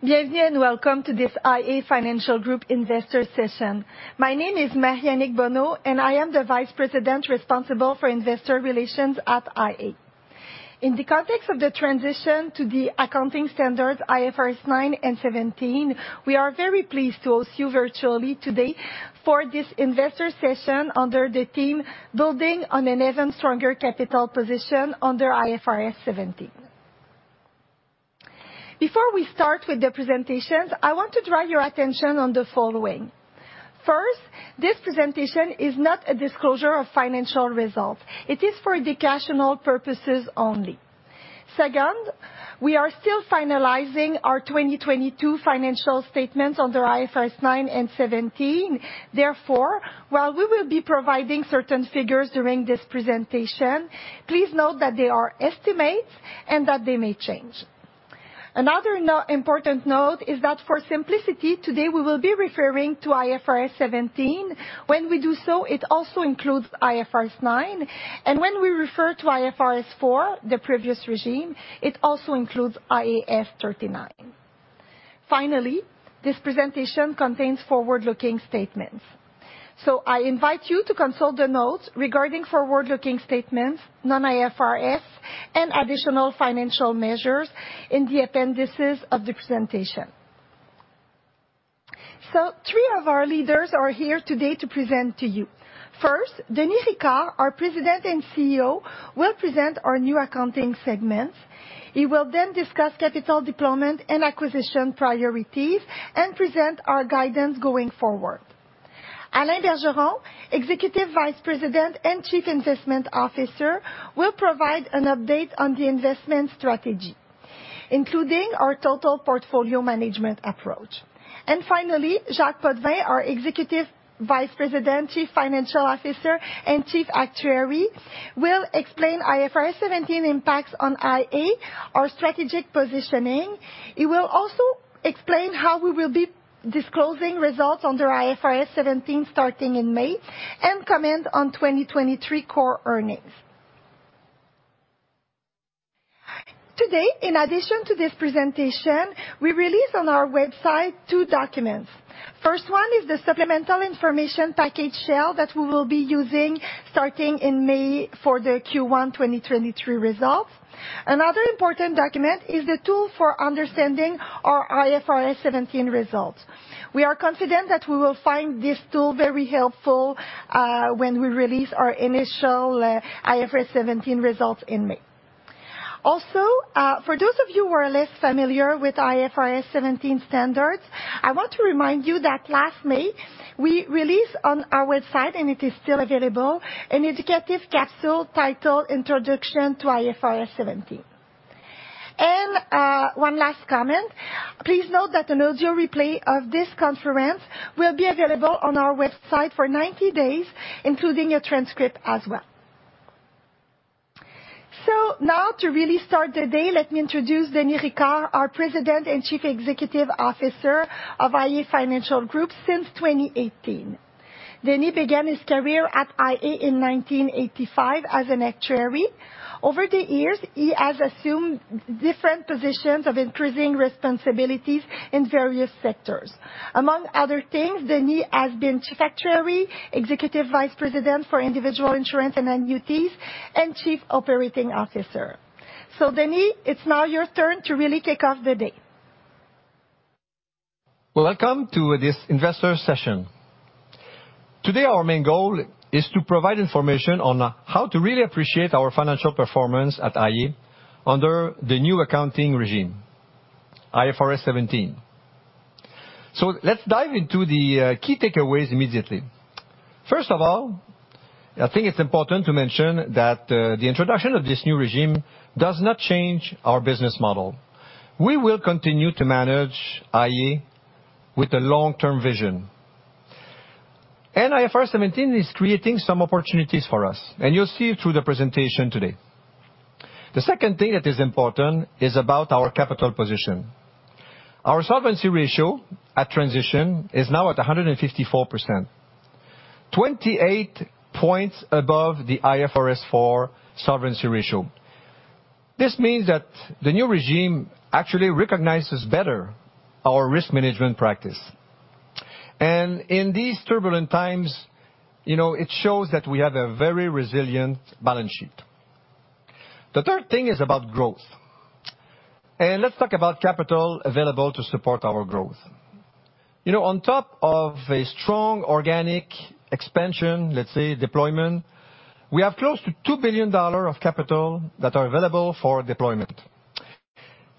Bienvenue and welcome to this iA Financial Group investor session. My name is Marie-Annick Bonneau. I am the vice president responsible for investor relations at iA. In the context of the transition to the accounting standards IFRS 9 and 17, we are very pleased to host you virtually today for this investor session under the theme, Building on an Even Stronger Capital Position Under IFRS 17. Before we start with the presentations, I want to draw your attention on the following. First, this presentation is not a disclosure of financial results. It is for educational purposes only. Second, we are still finalizing our 2022 financial statements under IFRS 9 and 17. While we will be providing certain figures during this presentation, please note that they are estimates and that they may change. Another important note is that for simplicity today, we will be referring to IFRS 17. When we do so, it also includes IFRS 9. When we refer to IFRS 4, the previous regime, it also includes IAS 39. Finally, this presentation contains forward-looking statements. I invite you to consult the notes regarding forward-looking statements, non-IFRS, and additional financial measures in the appendices of the presentation. Three of our leaders are here today to present to you. First, Denis Ricard, our President and Chief Executive Officer, will present our new accounting segments. He will discuss capital deployment and acquisition priorities and present our guidance going forward. Alain Bergeron, Executive Vice-President and Chief Investment Officer, will provide an update on the investment strategy, including our Total Portfolio Management approach. Finally, Jacques Potvin, our Executive Vice-President, Chief Financial Officer, and Chief Actuary, will explain IFRS 17 impacts on iA, our strategic positioning. He will also explain how we will be disclosing results under IFRS 17 starting in May and comment on 2023 core earnings. Today, in addition to this presentation, we release on our website two documents. First one is the Supplemental Information Package shell that we will be using starting in May for the Q1 2023 results. Another important document is the tool for understanding our IFRS 17 results. We are confident that we will find this tool very helpful when we release our initial IFRS 17 results in May. Also, for those of you who are less familiar with IFRS 17 standards, I want to remind you that last May, we released on our website, and it is still available, an educative capsule titled Introduction to IFRS 17. One last comment, please note that an audio replay of this conference will be available on our website for 90 days, including a transcript as well. Now to really start the day, let me introduce Denis Ricard, our president and chief executive officer of iA Financial Group since 2018. Denis began his career at iA in 1985 as an actuary. Over the years, he has assumed different positions of increasing responsibilities in various sectors. Among other things, Denis has been chief actuary, executive vice president for individual insurance and annuities, and chief operating officer. Denis, it's now your turn to really kick off the day. Welcome to this investor session. Today our main goal is to provide information on how to really appreciate our financial performance at iA under the new accounting regime, IFRS 17. Let's dive into the key takeaways immediately. First of all, I think it's important to mention that the introduction of this new regime does not change our business model. We will continue to manage iA with a long-term vision. IFRS 17 is creating some opportunities for us, and you'll see it through the presentation today. The second thing that is important is about our capital position. Our solvency ratio at transition is now at 154%, 28 points above the IFRS 4 solvency ratio. This means that the new regime actually recognizes better our risk management practice. In these turbulent times, you know, it shows that we have a very resilient balance sheet. The third thing is about growth. Let's talk about capital available to support our growth. You know, on top of a strong organic expansion, let's say deployment, we have close to 2 billion dollars of capital that are available for deployment.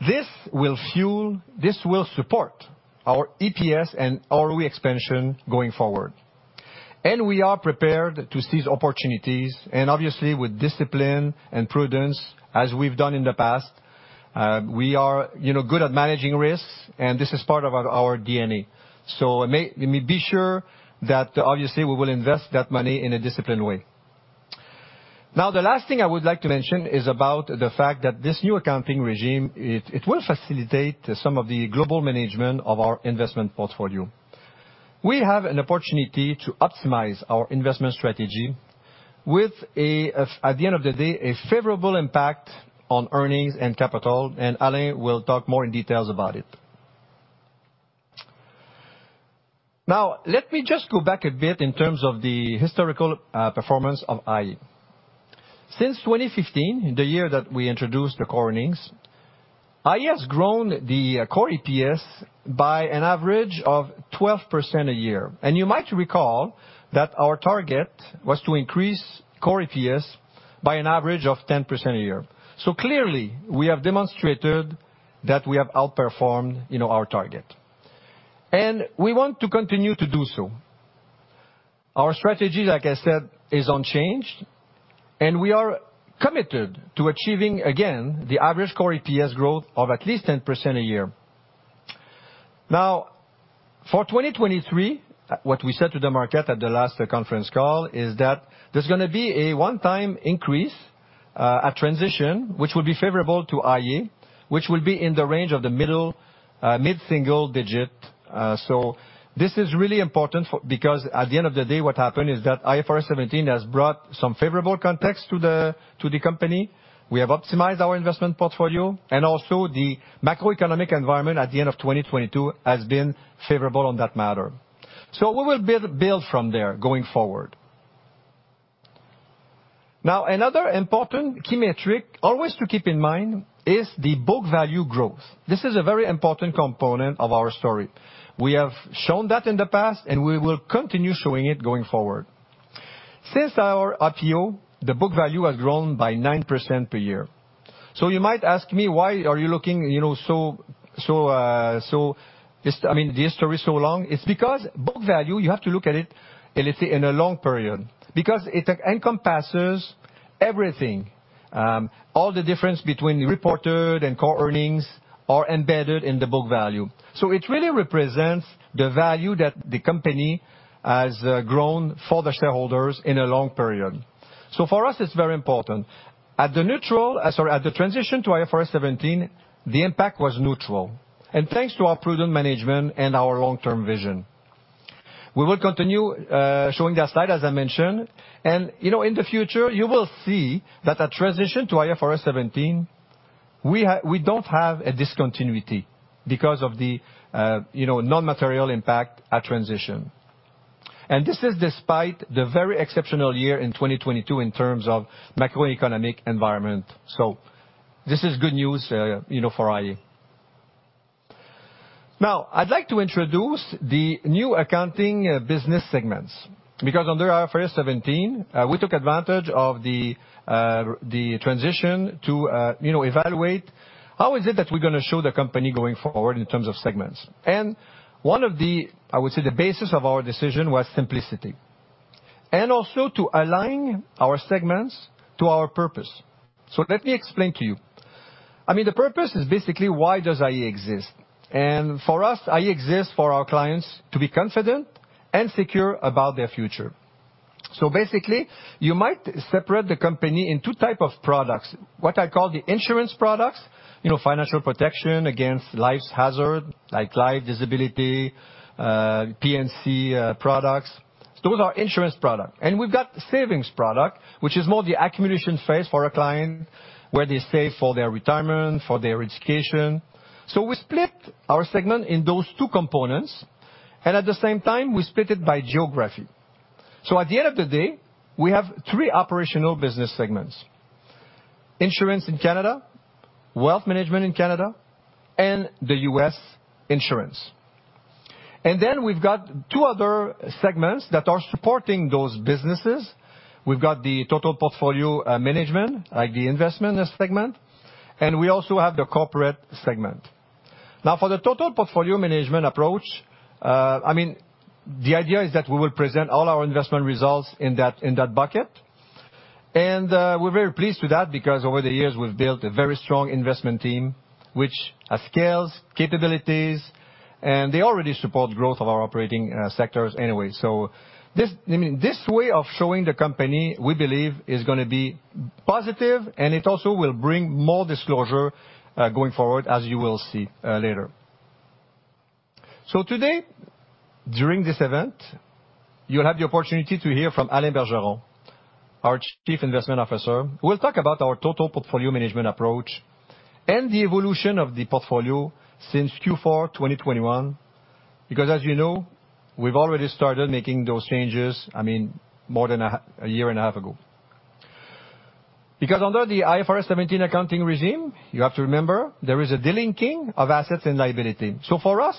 This will support our EPS and ROE expansion going forward. We are prepared to seize opportunities and obviously with discipline and prudence, as we've done in the past, we are, you know, good at managing risks, and this is part of our D&A. Be sure that obviously we will invest that money in a disciplined way. The last thing I would like to mention is about the fact that this new accounting regime, it will facilitate some of the global management of our investment portfolio. We have an opportunity to optimize our investment strategy with at the end of the day, a favorable impact on earnings and capital, and Alain will talk more in details about it. Let me just go back a bit in terms of the historical performance of iA. Since 2015, the year that we introduced the core earnings, iA has grown the core EPS by an average of 12% a year. You might recall that our target was to increase core EPS by an average of 10% a year. Clearly, we have demonstrated that we have outperformed, you know, our target. We want to continue to do so. Our strategy, like I said, is unchanged. We are committed to achieving, again, the average core EPS growth of at least 10% a year. For 2023, what we said to the market at the last conference call is that there's gonna be a one-time increase at transition, which will be favorable to iA, which will be in the range of the mid-single digit. This is really important because at the end of the day, what happened is that IFRS 17 has brought some favorable context to the company. We have optimized our investment portfolio. Also the macroeconomic environment at the end of 2022 has been favorable on that matter. We will build from there going forward. Another important key metric always to keep in mind is the book value growth. This is a very important component of our story. We have shown that in the past, and we will continue showing it going forward. Since our IPO, the book value has grown by 9% per year. You might ask me, "Why are you looking, you know, so, this, I mean, this story so long?" It's because book value, you have to look at it, at least in a long period, because it encompasses everything. All the difference between the reported and core earnings are embedded in the book value. It really represents the value that the company has grown for the shareholders in a long period. For us, it's very important. Sorry, at the transition to IFRS 17, the impact was neutral, and thanks to our prudent management and our long-term vision. We will continue showing that slide, as I mentioned, you know, in the future, you will see that at transition to IFRS 17, we don't have a discontinuity because of the, you know, non-material impact at transition. This is despite the very exceptional year in 2022 in terms of macroeconomic environment. This is good news, you know, for iA. Now, I'd like to introduce the new accounting business segments. Under IFRS 17, we took advantage of the transition to, you know, evaluate how is it that we're gonna show the company going forward in terms of segments. One of the, I would say, the basis of our decision was simplicity, and also to align our segments to our purpose. Let me explain to you. I mean, the purpose is basically why does iA exist? For us, iA exists for our clients to be confident and secure about their future. Basically, you might separate the company in two type of products, what I call the insurance products, you know, financial protection against life's hazard, like life disability, P&C products. Those are insurance product. We've got savings product, which is more the accumulation phase for a client, where they save for their retirement, for their education. We split our segment in those two components, and at the same time, we split it by geography. At the end of the day, we have three operational business segments: Insurance in Canada, Wealth Management in Canada, and the U.S. Insurance. We've got two other segments that are supporting those businesses. We've got the Total Portfolio Management, like the investment segment, and we also have the corporate segment. Now, for the Total Portfolio Management approach, I mean, the idea is that we will present all our investment results in that, in that bucket. We're very pleased with that because over the years, we've built a very strong investment team which has skills, capabilities, and they already support growth of our operating sectors anyway. This, I mean, this way of showing the company, we believe is gonna be positive, and it also will bring more disclosure going forward, as you will see later. Today, during this event, you'll have the opportunity to hear from Alain Bergeron, our Chief Investment Officer, who will talk about our Total Portfolio Management approach and the evolution of the portfolio since Q4 2021. Because as you know, we've already started making those changes, I mean, more than a year and a half ago. Under the IFRS 17 accounting regime, you have to remember, there is a delinking of assets and liability. For us,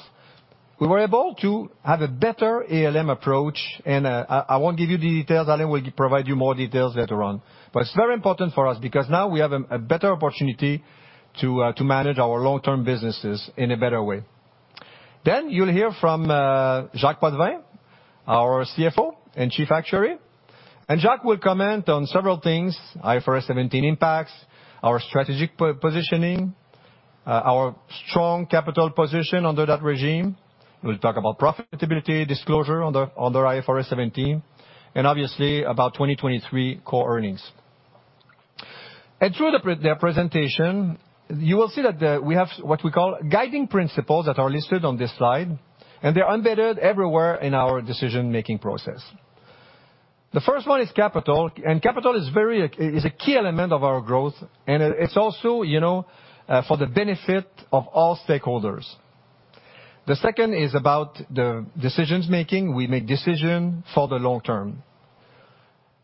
we were able to have a better ALM approach, I won't give you the details. Alain will provide you more details later on. It's very important for us because now we have a better opportunity to manage our long-term businesses in a better way. You'll hear from Jacques Potvin, our CFO and Chief Actuary. Jacques will comment on several things, IFRS 17 impacts, our strategic positioning, our strong capital position under that regime. We'll talk about profitability disclosure under IFRS 17, and obviously about 2023 core earnings. Through their presentation, you will see that we have what we call guiding principles that are listed on this slide, and they're embedded everywhere in our decision-making process. The first one is capital, and capital is a key element of our growth, and it's also, you know, for the benefit of all stakeholders. The second is about the decision-making. We make decision for the long term.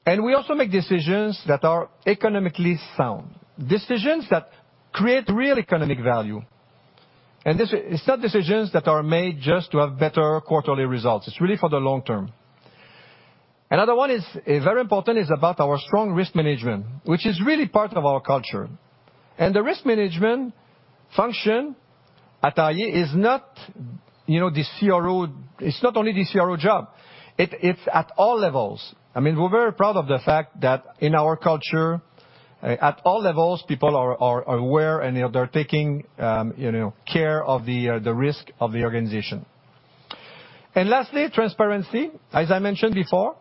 We also make decisions that are economically sound, decisions that create real economic value. This is not decisions that are made just to have better quarterly results. It's really for the long term. Another one is very important, is about our strong risk management, which is really part of our culture. The risk management function at iA is not, you know, the CRO. It's not only the CRO job. It's at all levels. I mean, we're very proud of the fact that in our culture, at all levels, people are aware and they're taking, you know, care of the risk of the organization. Lastly, transparency. As I mentioned before,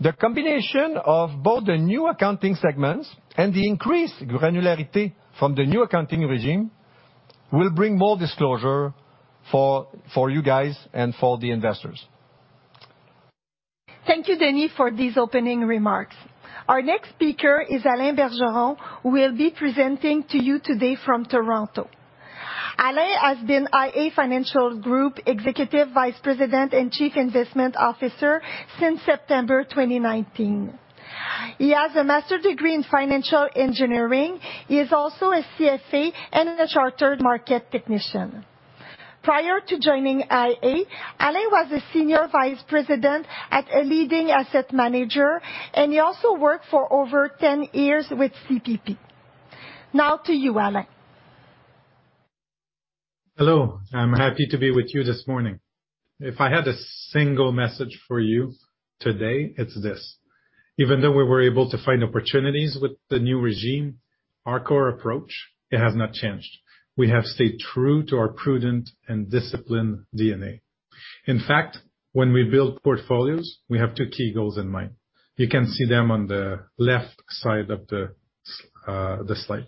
the combination of both the new accounting segments and the increased granularity from the new accounting regime will bring more disclosure for you guys and for the investors. Thank you, Denis, for these opening remarks. Our next speaker is Alain Bergeron, who will be presenting to you today from Toronto. Alain has been iA Financial Group Executive Vice-President and Chief Investment Officer since September 2019. He has a master degree in financial engineering. He is also a CFA and a Chartered Market Technician. Prior to joining iA, Alain was a senior vice president at a leading asset manager, and he also worked for over 10 years with CPP. Now to you, Alain. Hello. I'm happy to be with you this morning. If I had a single message for you today, it's this: even though we were able to find opportunities with the new regime, our core approach, it has not changed. We have stayed true to our prudent and disciplined D&A. In fact, when we build portfolios, we have two key goals in mind. You can see them on the left side of the slide.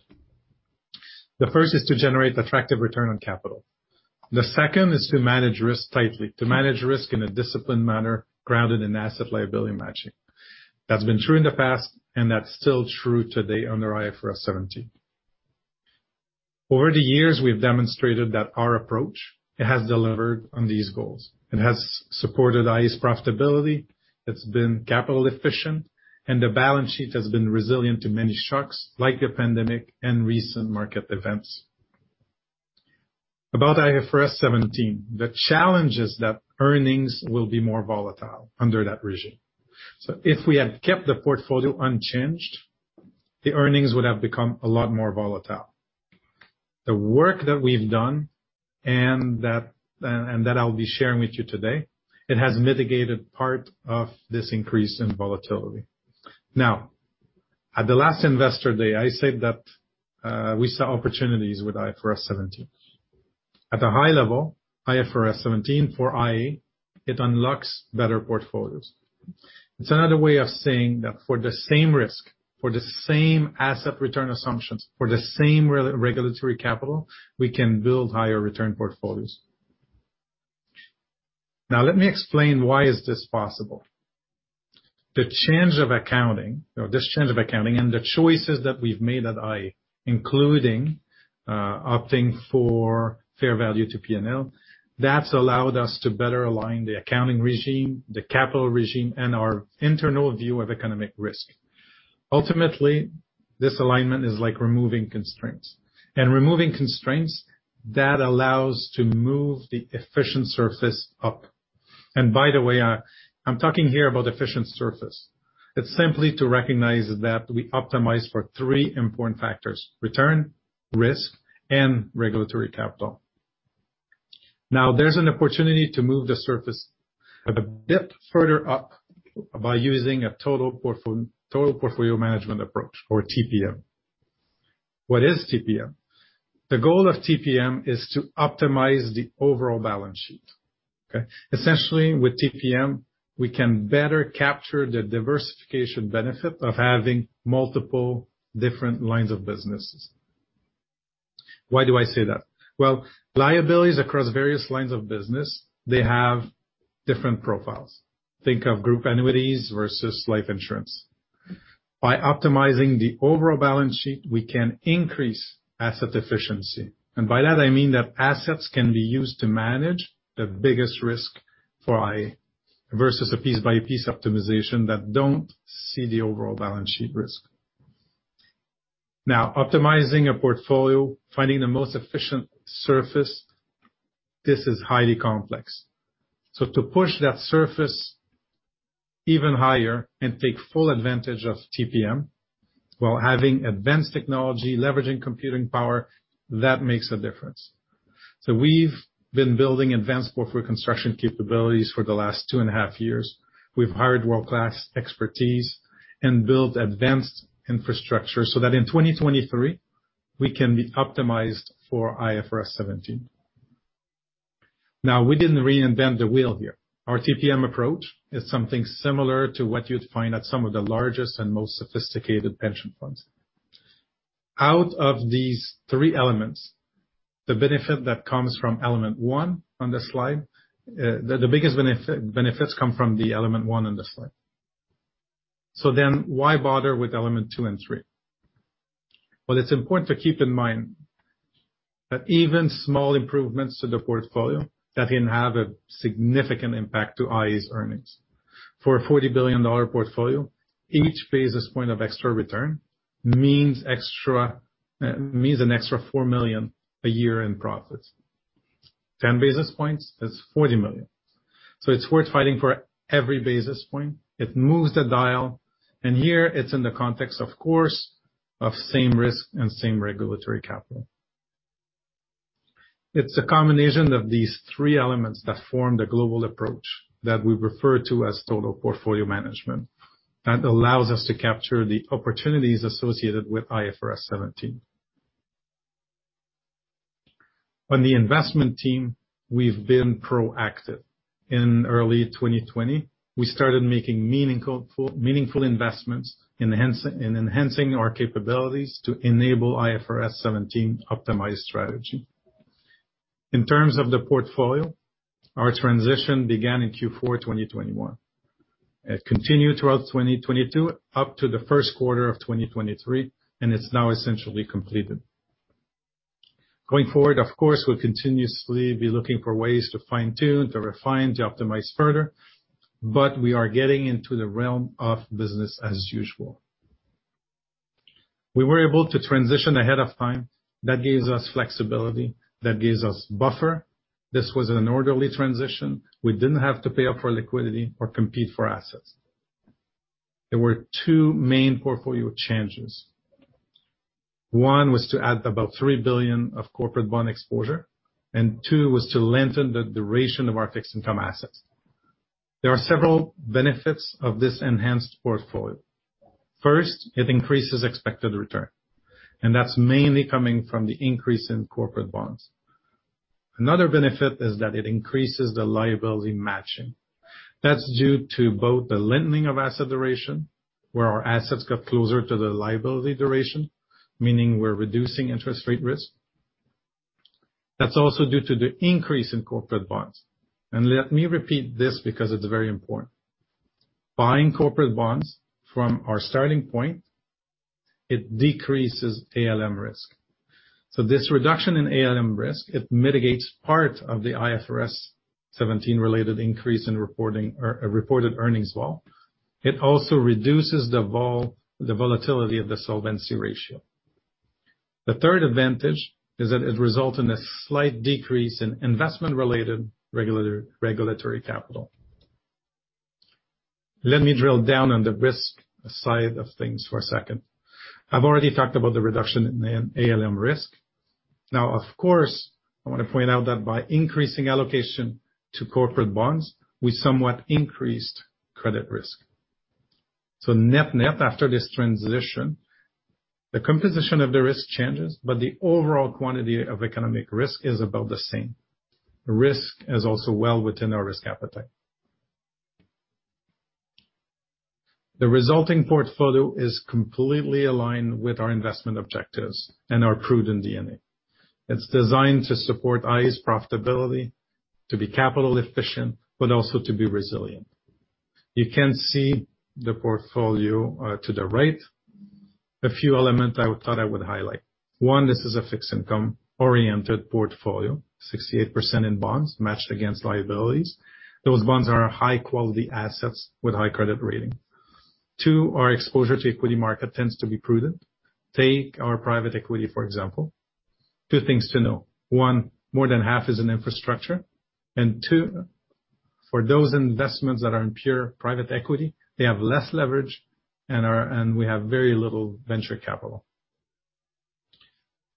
The first is to generate attractive return on capital. The second is to manage risk tightly, to manage risk in a disciplined manner grounded in asset liability matching. That's been true in the past, and that's still true today under IFRS 17. Over the years, we've demonstrated that our approach, it has delivered on these goals. It has supported iA's profitability, it's been capital efficient, and the balance sheet has been resilient to many shocks, like the pandemic and recent market events. About IFRS 17, the challenge is that earnings will be more volatile under that regime. If we had kept the portfolio unchanged, the earnings would have become a lot more volatile. The work that we've done and that I'll be sharing with you today, it has mitigated part of this increase in volatility. At the last investor day, I said that we saw opportunities with IFRS 17. At a high level, IFRS 17 for iA, it unlocks better portfolios. It's another way of saying that for the same risk, for the same asset return assumptions, for the same regulatory capital, we can build higher return portfolios. Let me explain why is this possible. The change of accounting, or this change of accounting and the choices that we've made at iA, including opting for fair value to P&L, that's allowed us to better align the accounting regime, the capital regime, and our internal view of economic risk. Ultimately, this alignment is like removing constraints. Removing constraints, that allows to move the efficient surface up. By the way, I'm talking here about efficient surface. It's simply to recognize that we optimize for 3 important factors: return, risk, and regulatory capital. Now, there's an opportunity to move the surface a bit further up by using a Total Portfolio Management approach or TPM. What is TPM? The goal of TPM is to optimize the overall balance sheet, okay? Essentially, with TPM, we can better capture the diversification benefit of having multiple different lines of businesses. Why do I say that? Well, liabilities across various lines of business, they have different profiles. Think of group annuities versus life insurance. By optimizing the overall balance sheet, we can increase asset efficiency. By that I mean that assets can be used to manage the biggest risk for iA versus a piece-by-piece optimization that don't see the overall balance sheet risk. Now, optimizing a portfolio, finding the most efficient surface, this is highly complex. To push that surface even higher and take full advantage of TPM while having advanced technology, leveraging computing power, that makes a difference. We've been building advanced portfolio construction capabilities for the last two and a half years. We've hired world-class expertise and built advanced infrastructure so that in 2023 we can be optimized for IFRS 17. Now we didn't reinvent the wheel here. Our TPM approach is something similar to what you'd find at some of the largest and most sophisticated pension funds. Out of these three elements, the benefit that comes from element one on this slide, the biggest benefits come from the element one on this slide. Why bother with element two and three? Well, it's important to keep in mind that even small improvements to the portfolio that can have a significant impact to iA's earnings. For a 40 billion dollar portfolio, each basis point of extra return means an extra 4 million a year in profits. 10 basis points, that's 40 million. It's worth fighting for every basis point. It moves the dial, and here it's in the context, of course, of same risk and same regulatory capital. It's a combination of these three elements that form the global approach that we refer to as Total Portfolio Management, that allows us to capture the opportunities associated with IFRS 17. On the investment team, we've been proactive. In early 2020, we started making meaningful investments in enhancing our capabilities to enable IFRS 17 optimized strategy. In terms of the portfolio, our transition began in Q4 2021. It continued throughout 2022 up to the first quarter of 2023, it's now essentially completed. Going forward, of course, we'll continuously be looking for ways to fine-tune, to refine, to optimize further, we are getting into the realm of business as usual. We were able to transition ahead of time. That gives us flexibility. That gives us buffer. This was an orderly transition. We didn't have to pay up for liquidity or compete for assets. There were two main portfolio changes. One was to add about 3 billion of corporate bond exposure, and two was to lengthen the duration of our fixed income assets. There are several benefits of this enhanced portfolio. First, it increases expected return, and that's mainly coming from the increase in corporate bonds. Another benefit is that it increases the liability matching. That's due to both the lengthening of asset duration, where our assets got closer to the liability duration, meaning we're reducing interest rate risk. That's also due to the increase in corporate bonds. Let me repeat this because it's very important. Buying corporate bonds from our starting point, it decreases ALM risk. This reduction in ALM risk, it mitigates part of the IFRS 17 related increase in reported earnings fall. It also reduces the volatility of the solvency ratio. The third advantage is that it result in a slight decrease in investment-related regulatory capital. Let me drill down on the risk side of things for a second. I've already talked about the reduction in ALM risk. Of course, I wanna point out that by increasing allocation to corporate bonds, we somewhat increased credit risk. Net-net, after this transition, the composition of the risk changes, but the overall quantity of economic risk is about the same. Risk is also well within our risk appetite. The resulting portfolio is completely aligned with our investment objectives and our prudent D&A. It's designed to support iA's profitability, to be capital efficient, but also to be resilient. You can see the portfolio to the right. A few elements I thought I would highlight. One, this is a fixed income-oriented portfolio, 68% in bonds matched against liabilities. Those bonds are high-quality assets with high credit rating. Two, our exposure to equity market tends to be prudent. Take our private equity, for example. Two things to know: one, more than half is in infrastructure, and two, for those investments that are in pure private equity, they have less leverage and we have very little venture capital.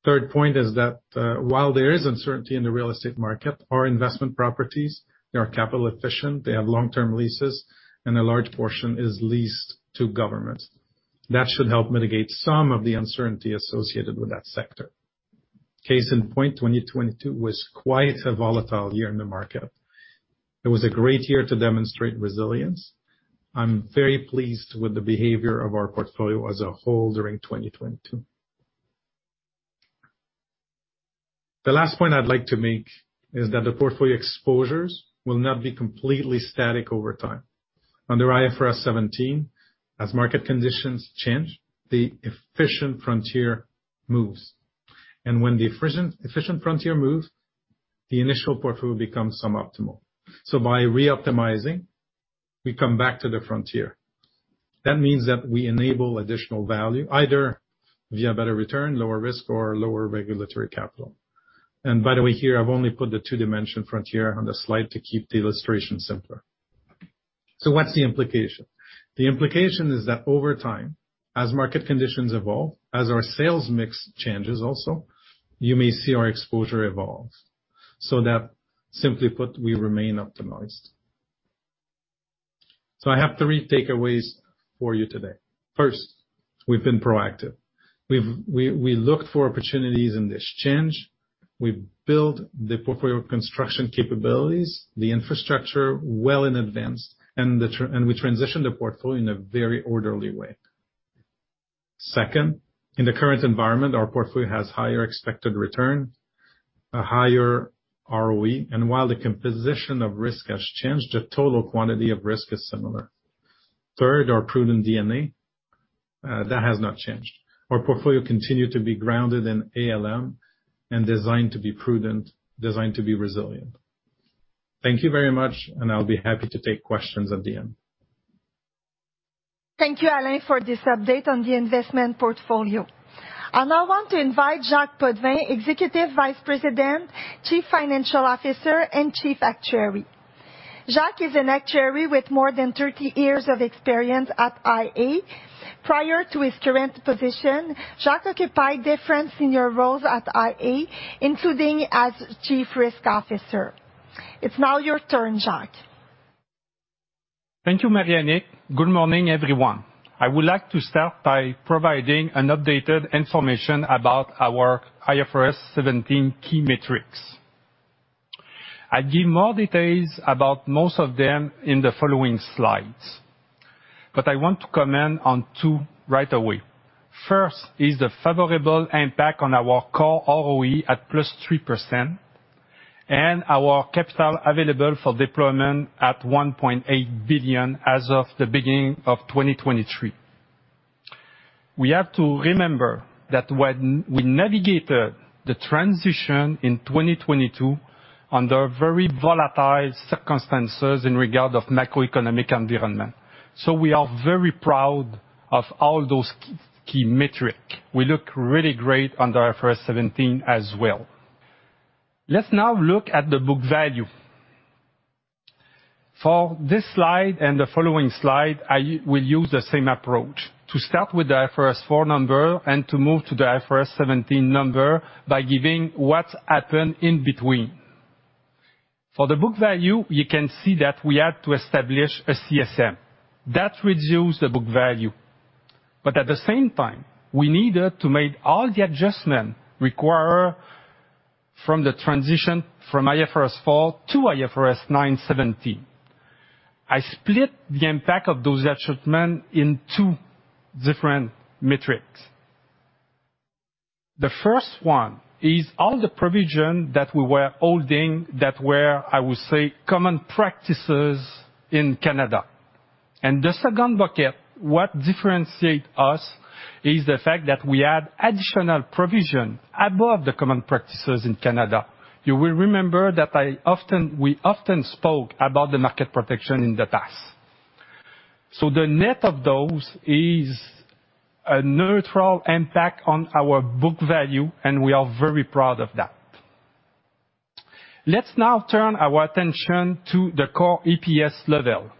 Third point is that, while there is uncertainty in the real estate market, our investment properties, they are capital efficient, they have long-term leases, and a large portion is leased to governments. That should help mitigate some of the uncertainty associated with that sector. Case in point, 2022 was quite a volatile year in the market. It was a great year to demonstrate resilience. I'm very pleased with the behavior of our portfolio as a whole during 2022. The last point I'd like to make is that the portfolio exposures will not be completely static over time. Under IFRS 17, as market conditions change, the efficient frontier moves. When the efficient frontier moves, the initial portfolio becomes suboptimal. By reoptimizing, we come back to the frontier. That means that we enable additional value, either via better return, lower risk, or lower regulatory capital. By the way, here I've only put the two-dimension frontier on the slide to keep the illustration simpler. What's the implication? The implication is that over time, as market conditions evolve, as our sales mix changes also, you may see our exposure evolve. That simply put, we remain optimized. So I have three takeaways for you today. First, we've been proactive. We look for opportunities in this change. We build the portfolio construction capabilities, the infrastructure well in advance, and we transition the portfolio in a very orderly way. Second, in the current environment, our portfolio has higher expected return, a higher ROE, and while the composition of risk has changed, the total quantity of risk is similar. Third, our prudent D&A that has not changed. Our portfolio continue to be grounded in ALM and designed to be prudent, designed to be resilient. Thank you very much, and I'll be happy to take questions at the end. Thank you, Alain, for this update on the investment portfolio. I now want to invite Jacques Potvin, Executive Vice President, Chief Financial Officer, and Chief Actuary. Jacques is an actuary with more than 30 years of experience at iA. Prior to his current position, Jacques occupied different senior roles at iA, including as Chief Risk Officer. It's now your turn, Jacques. Thank you, Marie-Annick. Good morning, everyone. I would like to start by providing an updated information about our IFRS 17 key metrics. I give more details about most of them in the following slides, but I want to comment on two right away. First is the favorable impact on our core ROE at +3% and our capital available for deployment at 1.8 billion as of the beginning of 2023. We have to remember that when we navigate the transition in 2022 under very volatile circumstances in regard of macroeconomic environment. We are very proud of all those key metric. We look really great under IFRS 17 as well. Let's now look at the book value. For this slide and the following slide, I will use the same approach, to start with the IFRS 4 number and to move to the IFRS 17 number by giving what's happened in between. For the book value, you can see that we had to establish a CSM. That reduced the book value. At the same time, we needed to make all the adjustment required from the transition from IFRS 4 to IFRS 9 17. I split the impact of those adjustment in two different metrics. The first one is all the provision that we were holding that were, I would say, common practices in Canada. The second bucket, what differentiate us is the fact that we add additional provision above the common practices in Canada. You will remember that we often spoke about the market protection in the past. The net of those is a neutral impact on our book value, and we are very proud of that. Let's now turn our attention to the core EPS level,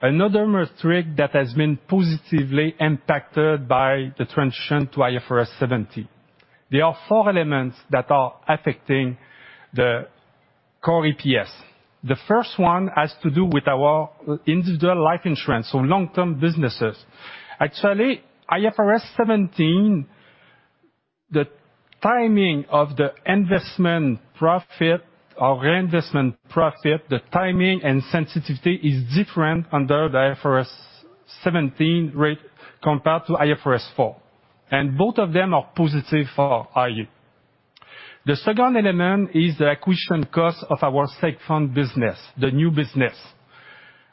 another metric that has been positively impacted by the transition to IFRS 17. There are four elements that are affecting the core EPS. The first one has to do with our individual life insurance, so long-term businesses. Actually, IFRS 17, the timing of the investment profit or reinvestment profit, the timing and sensitivity is different under the IFRS 17 rate compared to IFRS 4, and both of them are positive for iA. The second element is the acquisition cost of our Seg Funds business, the new business.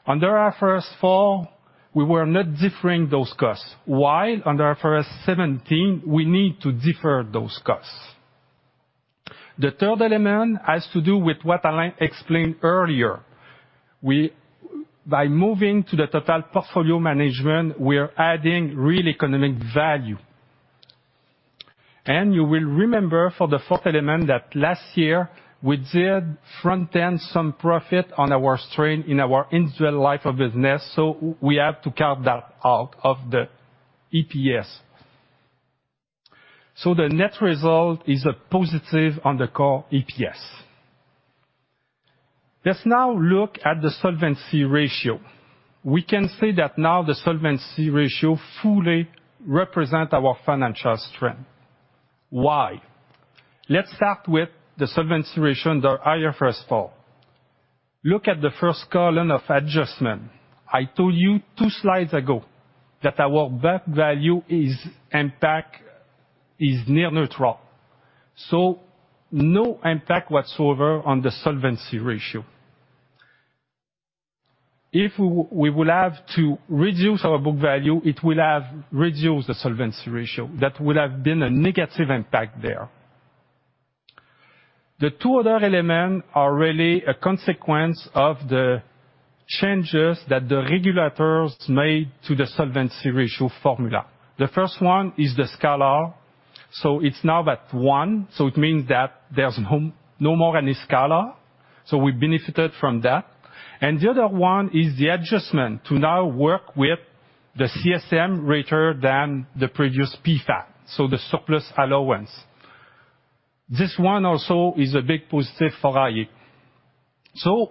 Under IFRS 4, we were not differing those costs, while under IFRS 17, we need to differ those costs. The third element has to do with what Alain explained earlier. We, by moving to the Total Portfolio Management, we're adding real economic value. You will remember for the fourth element that last year we did front then some profit on our strain in our individual life of business, so we have to count that out of the EPS. The net result is a positive on the core EPS. Let's now look at the solvency ratio. We can say that now the solvency ratio fully represent our financial strength. Why? Let's start with the solvency ratio under IFRS 4. Look at the first column of adjustment. I told you two slides ago that our book value is impact, is near neutral. No impact whatsoever on the solvency ratio. If we will have to reduce our book value, it will have reduced the solvency ratio. That would have been a negative impact there. The two other element are really a consequence of the changes that the regulators made to the solvency ratio formula. The first one is the scalar, it's now at one, so it means that there's no more any scalar, so we benefited from that. The other one is the adjustment to now work with the CSM rather than the previous PfAD, so the surplus allowance. This one also is a big positive for iA.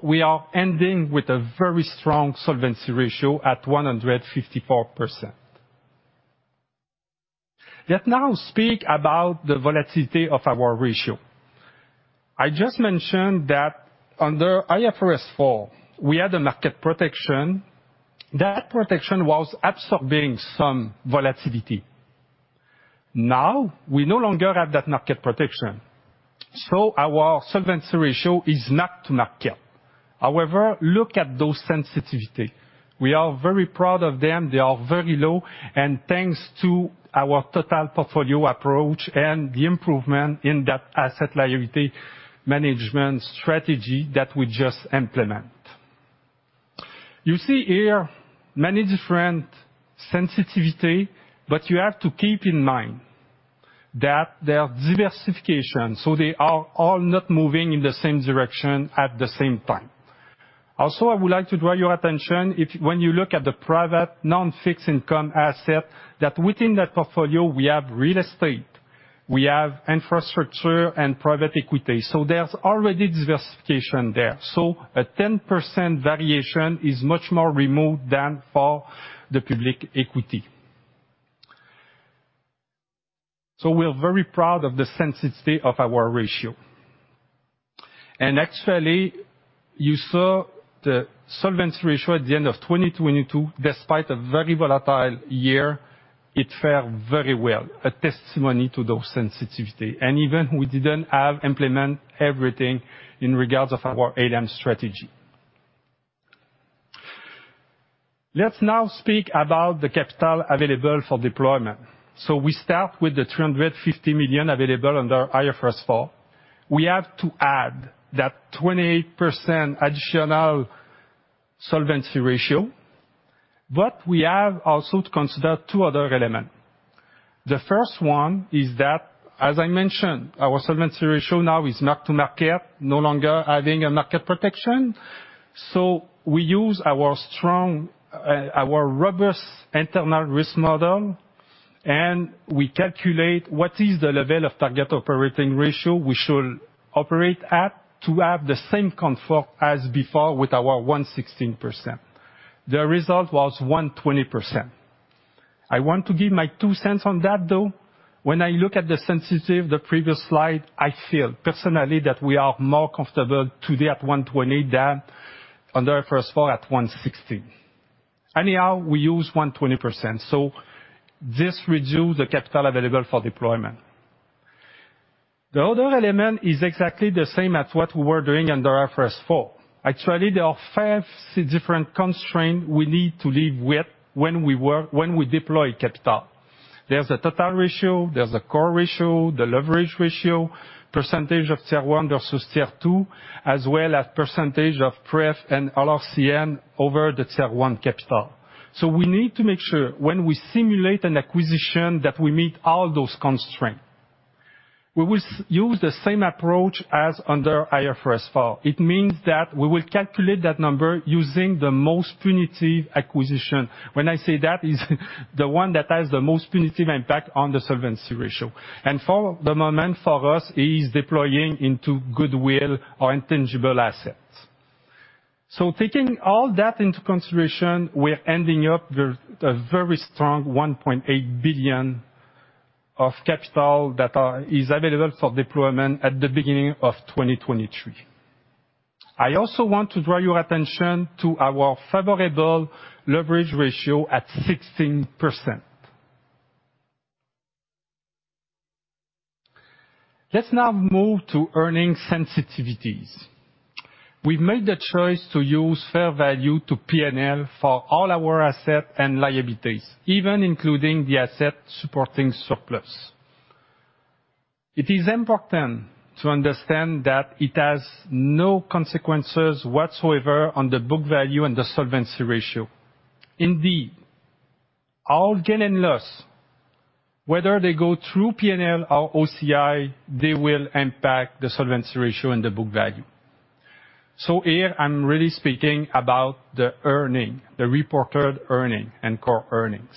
We are ending with a very strong solvency ratio at 154%. Let now speak about the volatility of our ratio. I just mentioned that under IFRS 4, we had a market protection. That protection was absorbing some volatility. Now, we no longer have that market protection, so our solvency ratio is not to market. However, look at those sensitivity. We are very proud of them. They are very low. Thanks to our total portfolio approach and the improvement in that asset liability management strategy that we just implement. You see here many different sensitivity. You have to keep in mind that they are diversification. They are all not moving in the same direction at the same time. I would like to draw your attention if, when you look at the private non-fixed income asset, that within that portfolio we have real estate, we have infrastructure and private equity. There's already diversification there. A 10% variation is much more remote than for the public equity. We're very proud of the sensitivity of our ratio. Actually, you saw the solvency ratio at the end of 2022. Despite a very volatile year, it fared very well, a testimony to those sensitivity. Even we didn't have implement everything in regards of our ALM strategy. Let's now speak about the capital available for deployment. We start with the 350 million available under IFRS 4. We have to add that 28% additional solvency ratio, but we have also to consider two other elements. The first one is that, as I mentioned, our solvency ratio now is mark to market, no longer having a market protection. We use our strong, our robust internal risk model, and we calculate what is the level of target operating ratio we should operate at to have the same comfort as before with our 116%. The result was 120%. I want to give my two cents on that, though. When I look at the sensitive, the previous slide, I feel personally that we are more comfortable today at 120 than under IFRS 4 at 160. We use 120%, so this reduce the capital available for deployment. The other element is exactly the same as what we were doing under IFRS 4. Actually, there are five different constraints we need to live with when we work, when we deploy capital. There's a total ratio, there's a core ratio, the leverage ratio, percentage of Tier one versus Tier two, as well as percentage of Pref and LRCN over the Tier one capital. We need to make sure when we simulate an acquisition that we meet all those constraints. We will use the same approach as under IFRS 4. It means that we will calculate that number using the most punitive acquisition. When I say that, is the one that has the most punitive impact on the solvency ratio. For the moment, for us, is deploying into goodwill or intangible assets. Taking all that into consideration, we're ending up with a very strong $1.8 billion of capital that is available for deployment at the beginning of 2023. I also want to draw your attention to our favorable leverage ratio at 16%. Let's now move to earnings sensitivities. We've made the choice to use fair value to P&L for all our assets and liabilities, even including the asset-supporting surplus. It is important to understand that it has no consequences whatsoever on the book value and the solvency ratio. Indeed, all gain and loss, whether they go through P&L or OCI, they will impact the solvency ratio and the book value. Here I'm really speaking about the earnings, the reported earnings and core earnings.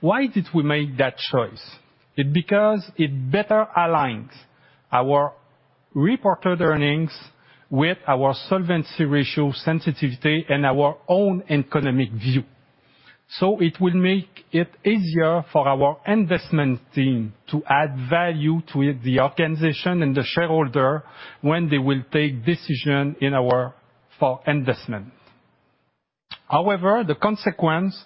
Why did we make that choice? It because it better aligns our reported earnings with our solvency ratio sensitivity and our own economic view. It will make it easier for our investment team to add value to the organization and the shareholder when they will take decision for investment. However, the consequence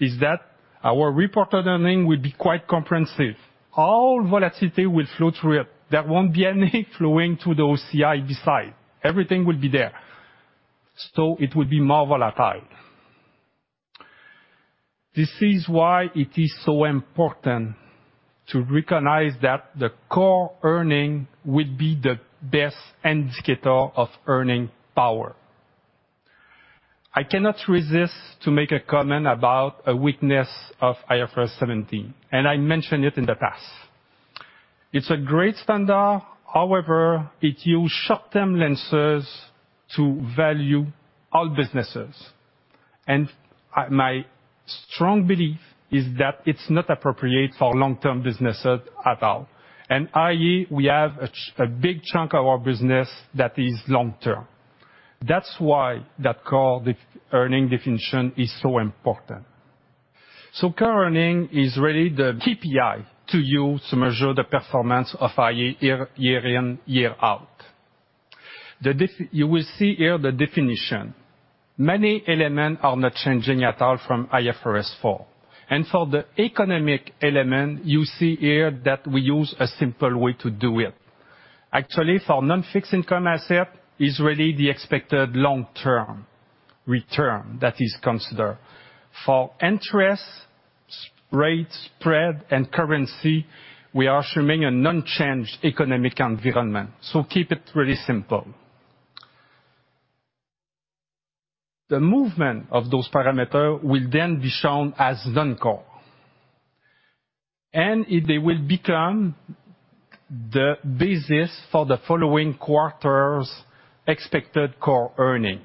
is that our reported earnings will be quite comprehensive. All volatility will flow through it. There won't be any flowing to the OCI beside. Everything will be there, so it will be more volatile. This is why it is so important to recognize that the core earnings will be the best indicator of earnings power. I cannot resist to make a comment about a weakness of IFRS 17, and I mentioned it in the past. It's a great standard. However, it use short-term lenses to value all businesses. My strong belief is that it's not appropriate for long-term businesses at all. iA, we have a big chunk of our business that is long-term. That's why that core earnings definition is so important. Core earnings is really the KPI to use to measure the performance of iA year in, year out. You will see here the definition. Many elements are not changing at all from IFRS 4. For the economic element, you see here that we use a simple way to do it. Actually, for non-fixed income asset, it's really the expected long-term return that is considered. For interest rates, spread, and currency, we are assuming an unchanged economic environment. Keep it really simple. The movement of those parameters will then be shown as non-core, and they will become the basis for the following quarter's expected core earnings.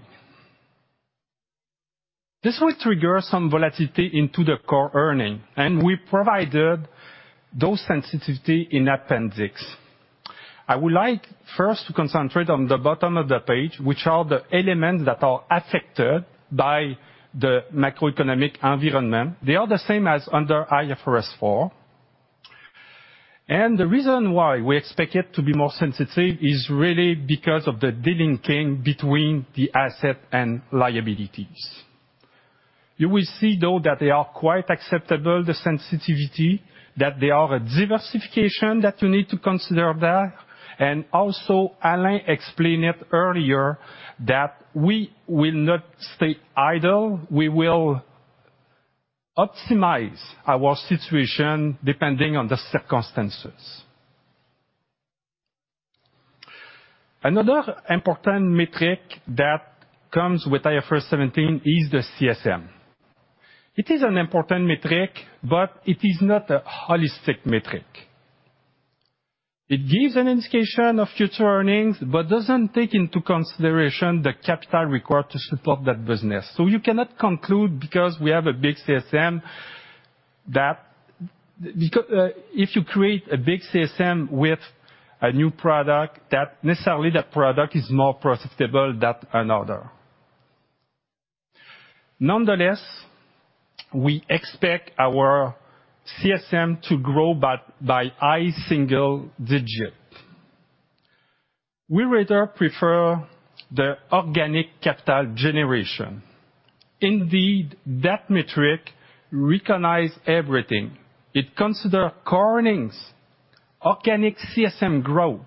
This will trigger some volatility into the core earnings, and we provided those sensitivity in appendix. I would like first to concentrate on the bottom of the page, which are the elements that are affected by the macroeconomic environment. They are the same as under IFRS 4. The reason why we expect it to be more sensitive is really because of the delinking between the asset and liabilities. You will see, though, that they are quite acceptable, the sensitivity, that they are a diversification that you need to consider there. Also, Alain explained it earlier that we will not stay idle. We will optimize our situation depending on the circumstances. Another important metric that comes with IFRS 17 is the CSM. It is an important metric. It is not a holistic metric. It gives an indication of future earnings. It doesn't take into consideration the capital required to support that business. You cannot conclude because we have a big CSM if you create a big CSM with a new product, that necessarily that product is more profitable than another. Nonetheless, we expect our CSM to grow by high single digit. We rather prefer the organic capital generation. Indeed, that metric recognize everything. It consider core earnings, organic CSM growth,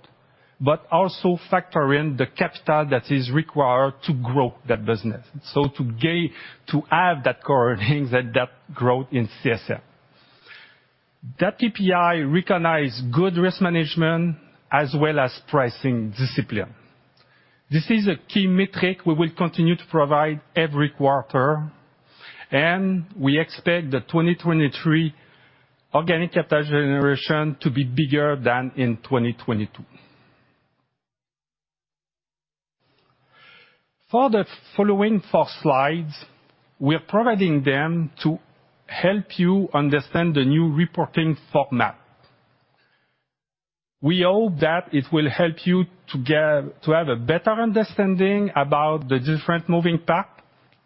also factor in the capital that is required to grow that business. To gain, to have that core earnings and that growth in CSM. That KPI recognize good risk management as well as pricing discipline. This is a key metric we will continue to provide every quarter, and we expect the 2023 organic capital generation to be bigger than in 2022. For the following four slides, we're providing them to help you understand the new reporting format. We hope that it will help you to have a better understanding about the different moving part,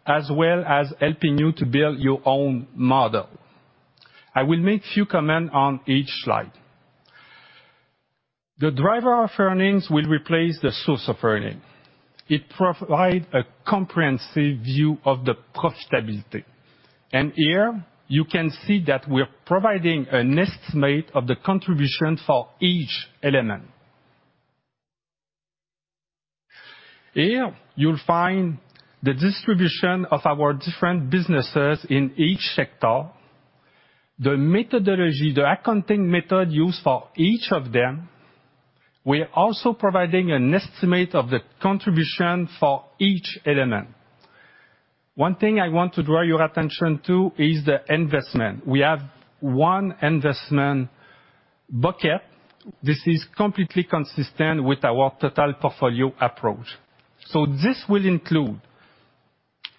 as well as helping you to build your own model. I will make few comments on each slide. The driver of earnings will replace the source of earning. It provide a comprehensive view of the profitability. Here, you can see that we're providing an estimate of the contribution for each element. Here, you'll find the distribution of our different businesses in each sector. The methodology, the accounting method used for each of them. We're also providing an estimate of the contribution for each element. One thing I want to draw your attention to is the investment. We have one investment bucket. This is completely consistent with our total portfolio approach. This will include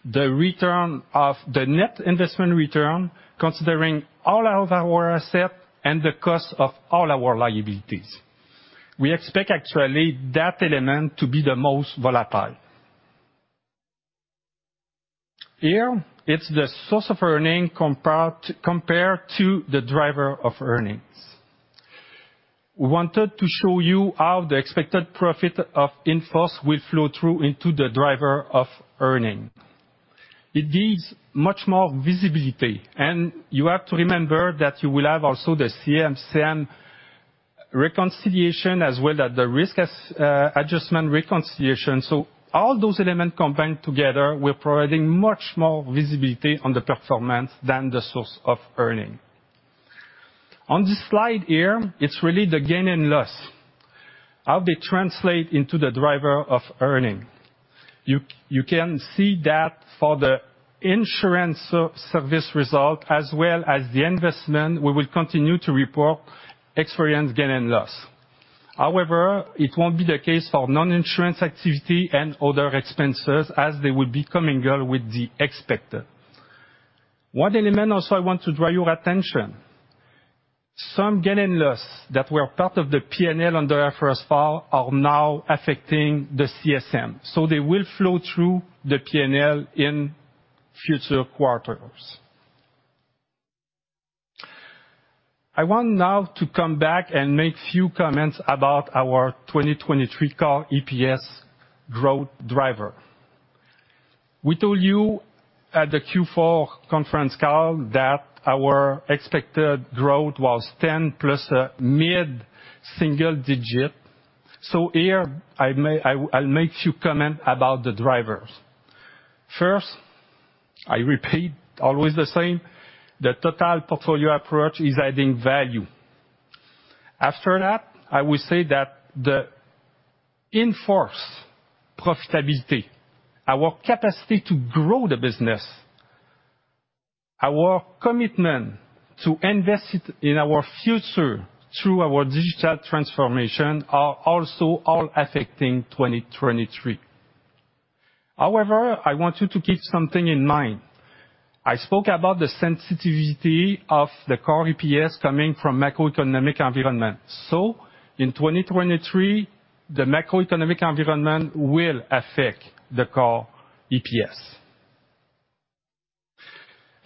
the return of the net investment return, considering all of our asset and the cost of all our liabilities. We expect actually that element to be the most volatile. Here, it's the source of earning compared to the drivers of earnings. We wanted to show you how the expected profit of in-force will flow through into the drivers of earnings. It gives much more visibility, and you have to remember that you will have also the CSM reconciliation, as well as the risk adjustment reconciliation. All those elements combined together, we're providing much more visibility on the performance than the source of earning. On this slide here, it's really the gain and loss, how they translate into the driver of earning. You can see that for the insurance service result, as well as the investment, we will continue to report experience gain and loss. However, it won't be the case for non-insurance activity and other expenses, as they will be commingled with the expected. One element also I want to draw your attention, some gain and loss that were part of the P&L under IFRS 4 are now affecting the CSM. They will flow through the P&L in future quarters. I want now to come back and make few comment about our 2023 core EPS growth driver. We told you at the Q4 conference call that our expected growth was 10 plus mid-single digit. Here I'll make few comment about the drivers. I repeat always the same, the Total Portfolio approach is adding value. I will say that the in-force profitability, our capacity to grow the business, our commitment to invest in our future through our digital transformation are also all affecting 2023. I want you to keep something in mind. I spoke about the sensitivity of the core EPS coming from macroeconomic environment. In 2023, the macroeconomic environment will affect the core EPS.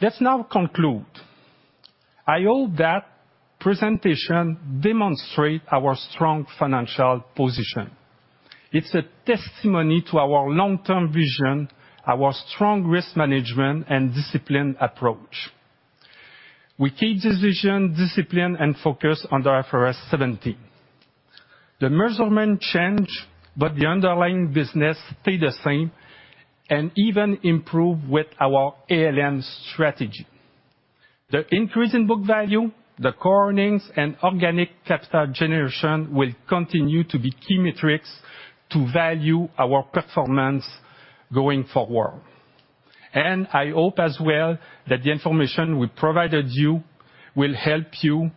Let's now conclude. I hope that presentation demonstrate our strong financial position. It's a testimony to our long-term vision, our strong risk management, and disciplined approach. We keep decision discipline and focus under IFRS 17. The measurement change, but the underlying business stay the same, and even improve with our ALM strategy. The increase in book value, the core earnings, and organic capital generation will continue to be key metrics to value our performance going forward. I hope as well that the information we provided you will help you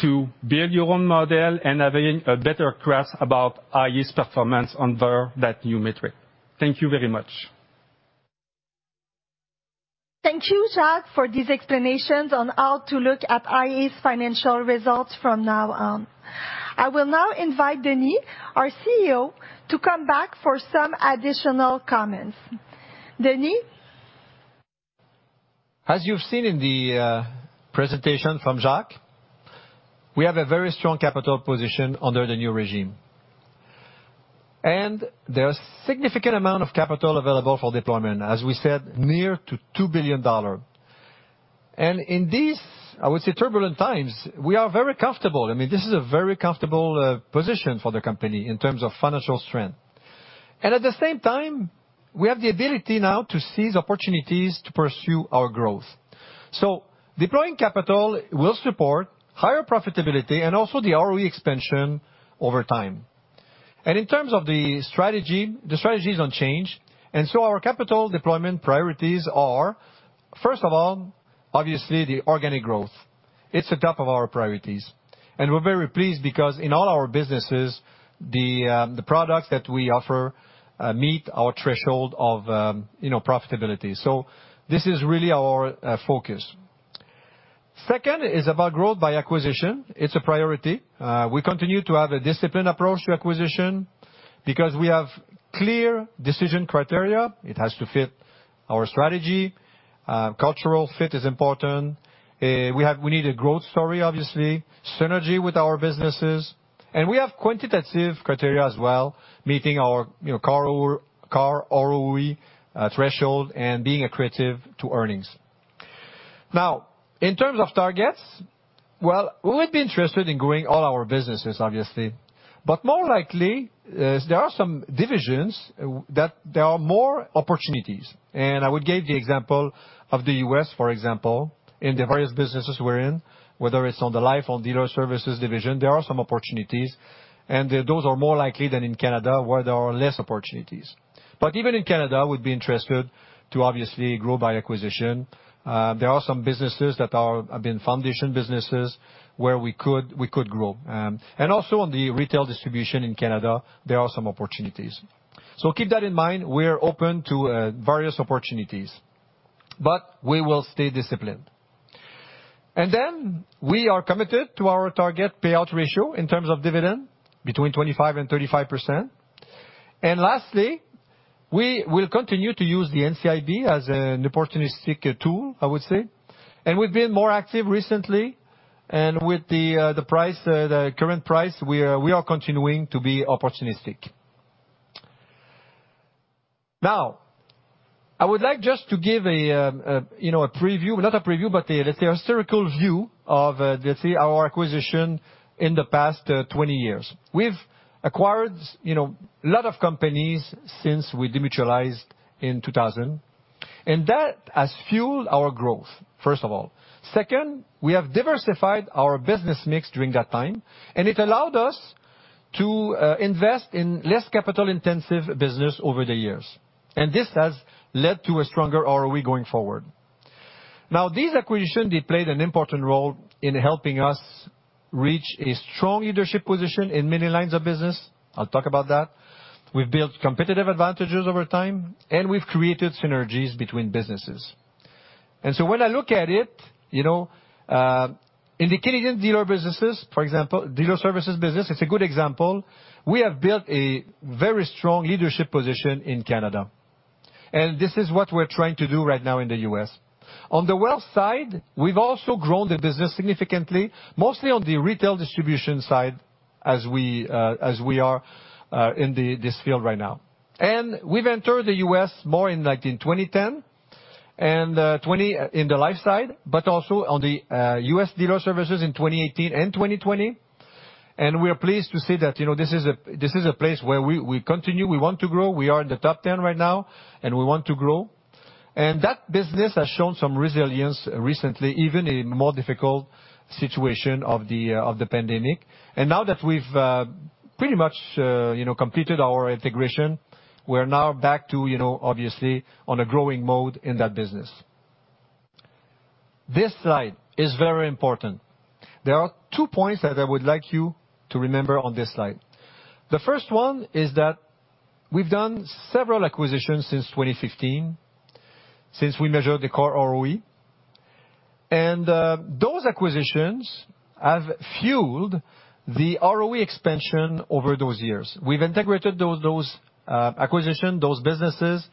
to build your own model and having a better grasp about iA's performance under that new metric. Thank you very much. Thank you, Jacques, for these explanations on how to look at iA's financial results from now on. I will now invite Denis, our CEO, to come back for some additional comments. Denis? As you've seen in the presentation from Jacques, we have a very strong capital position under the new regime. There are significant amount of capital available for deployment, as we said, near to 2 billion dollars. In these, I would say, turbulent times, we are very comfortable. I mean, this is a very comfortable position for the company in terms of financial strength. At the same time, we have the ability now to seize opportunities to pursue our growth. So deploying capital will support higher profitability and also the ROE expansion over time. In terms of the strategy, the strategy is unchanged, and so our capital deployment priorities are, first of all, obviously the organic growth. It's the top of our priorities. We're very pleased because in all our businesses, the products that we offer meet our threshold of, you know, profitability. This is really our focus. Second is about growth by acquisition. It's a priority. We continue to have a disciplined approach to acquisition because we have clear decision criteria. It has to fit our strategy. Cultural fit is important. We need a growth story, obviously, synergy with our businesses. We have quantitative criteria as well, meeting our, you know, core ROE threshold and being accretive to earnings. In terms of targets, well, we would be interested in growing all our businesses, obviously. More likely, is there are some divisions that there are more opportunities. I would give the example of the U.S., for example, in the various businesses we're in, whether it's on the life or Dealer Services division, there are some opportunities, and those are more likely than in Canada, where there are less opportunities. Even in Canada, we'd be interested to obviously grow by acquisition. There are some businesses that have been foundation businesses, where we could grow. Also on the retail distribution in Canada, there are some opportunities. Keep that in mind, we're open to various opportunities, but we will stay disciplined. We are committed to our target payout ratio in terms of dividend between 25% and 35%. Lastly, we will continue to use the NCIB as an opportunistic tool, I would say. We've been more active recently, and with the price, the current price, we are continuing to be opportunistic. Now, I would like just to give a, you know, a preview, not a preview, but a, let's say, a historical view of, let's say our acquisition in the past 20 years. We've acquired, you know, lot of companies since we demutualized in 2000, and that has fueled our growth, first of all. Second, we have diversified our business mix during that time, and it allowed us to invest in less capital-intensive business over the years. This has led to a stronger ROE going forward. Now these acquisition, they played an important role in helping us reach a strong leadership position in many lines of business. I'll talk about that. We've built competitive advantages over time, and we've created synergies between businesses. When I look at it, you know, in the Canadian dealer businesses, for example, Dealer Services business, it's a good example. We have built a very strong leadership position in Canada. This is what we're trying to do right now in the U.S. On the Wealth Management side, we've also grown the business significantly, mostly on the retail distribution side as we are in this field right now. We've entered the U.S. more in like in 2010 in the life side, but also on the U.S. Dealer Services in 2018 and 2020. We are pleased to say that, you know, this is a place where we continue, we want to grow. We are in the top 10 right now, and we want to grow. That business has shown some resilience recently, even in more difficult situation of the pandemic. Now that we've pretty much, you know, completed our integration, we're now back to, you know, obviously, on a growing mode in that business. This slide is very important. There are two points that I would like you to remember on this slide. The first one is that we've done several acquisitions since 2015, since we measured the core ROE. Those acquisitions have fueled the ROE expansion over those years. We've integrated those acquisition, those businesses,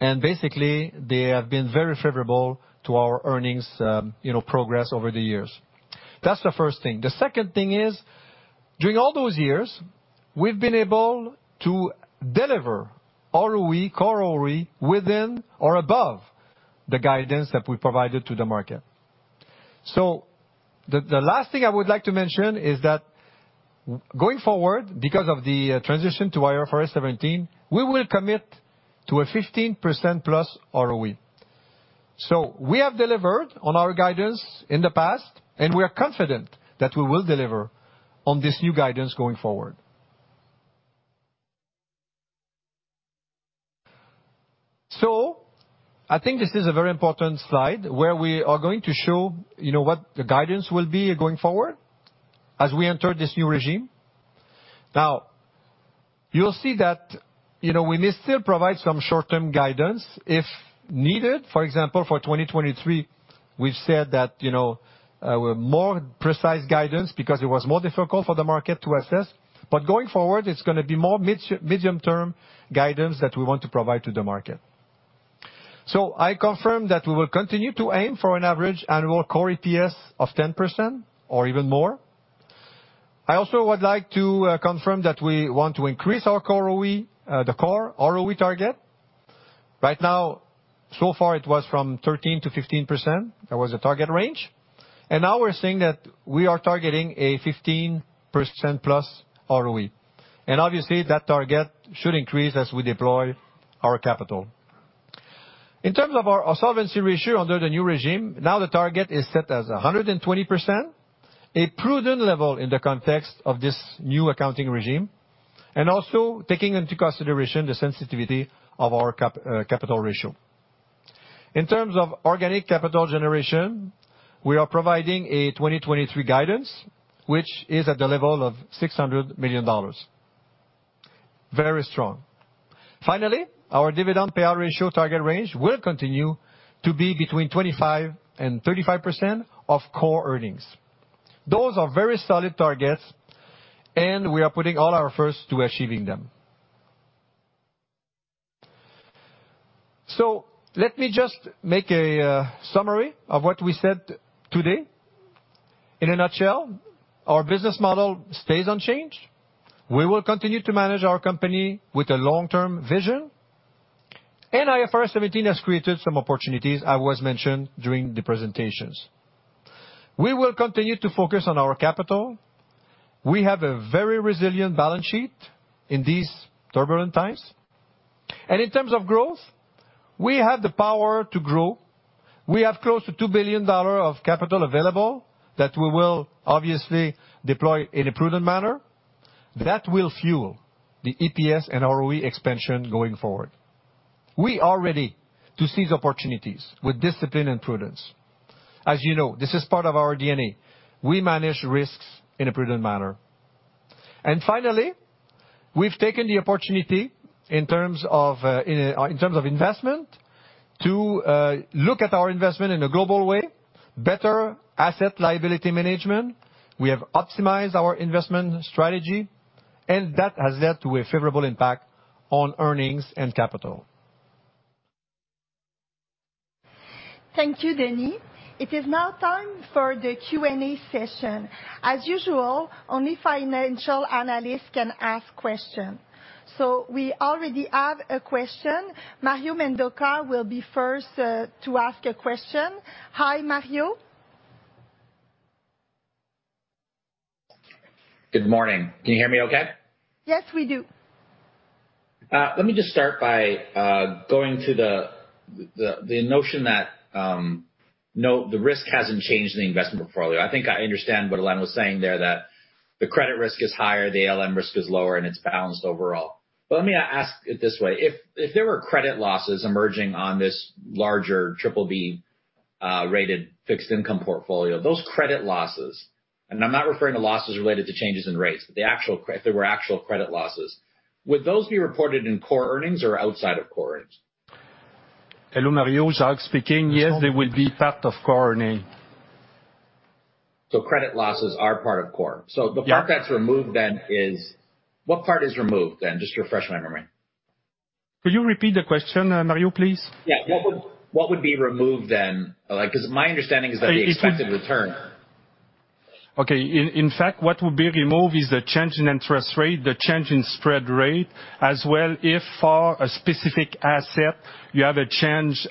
and basically, they have been very favorable to our earnings, you know, progress over the years. That's the first thing. The second thing is, during all those years, we've been able to deliver ROE, core ROE within or above the guidance that we provided to the market. The last thing I would like to mention is that going forward, because of the transition to IFRS 17, we will commit to a 15%+ ROE. We have delivered on our guidance in the past, and we are confident that we will deliver on this new guidance going forward. I think this is a very important slide where we are going to show, you know, what the guidance will be going forward as we enter this new regime. Now, you'll see that, you know, we may still provide some short-term guidance if needed. For example, for 2023, we've said that, you know, a more precise guidance because it was more difficult for the market to assess. Going forward, it's gonna be more mid-medium term guidance that we want to provide to the market. I confirm that we will continue to aim for an average annual core EPS of 10% or even more. I also would like to confirm that we want to increase our core ROE, the core ROE target. Right now, so far, it was from 13%-15%. That was the target range. Now we're saying that we are targeting a 15%+ ROE. Obviously, that target should increase as we deploy our capital. In terms of our solvency ratio under the new regime, now the target is set as 120%, a prudent level in the context of this new accounting regime, and also taking into consideration the sensitivity of our capital ratio. In terms of organic capital generation, we are providing a 2023 guidance, which is at the level of 600 million dollars. Very strong. Finally, our dividend payout ratio target range will continue to be between 25% and 35% of core earnings. Those are very solid targets, and we are putting all our efforts to achieving them. Let me just make a summary of what we said today. In a nutshell, our business model stays unchanged. We will continue to manage our company with a long-term vision. IFRS 17 has created some opportunities, as was mentioned during the presentations. We will continue to focus on our capital. We have a very resilient balance sheet in these turbulent times. In terms of growth, we have the power to grow. We have close to 2 billion dollars of capital available that we will obviously deploy in a prudent manner. That will fuel the EPS and ROE expansion going forward. We are ready to seize opportunities with discipline and prudence. As you know, this is part of our D&A. We manage risks in a prudent manner. Finally, we've taken the opportunity in terms of investment to look at our investment in a global way, better asset liability management. We have optimized our investment strategy, and that has led to a favorable impact on earnings and capital. Thank you, Denis. It is now time for the Q&A session. As usual, only financial analysts can ask questions. We already have a question. Mario Mendonca will be first, to ask a question. Hi, Mario. Good morning. Can you hear me okay? Yes, we do. Let me just start by going to the notion that no, the risk hasn't changed in the investment portfolio. I think I understand what Alain was saying there, that the credit risk is higher, the ALM risk is lower, and it's balanced overall. But let me ask it this way. If there were credit losses emerging on this larger triple B rated fixed income portfolio, those credit losses, and I'm not referring to losses related to changes in rates, but the actual credit losses, would those be reported in core earnings or outside of core earnings? Hello, Mario. Jacques speaking. Yes, they will be part of core earnings. Credit losses are part of core. Yeah. The part that's removed then is, what part is removed then? Just to refresh my memory. Could you repeat the question, Mario, please? Yeah. What would be removed then? Like, because my understanding is that the expected return. Okay. In fact, what will be removed is the change in interest rate, the change in spread rate, as well if for a specific asset you have a change,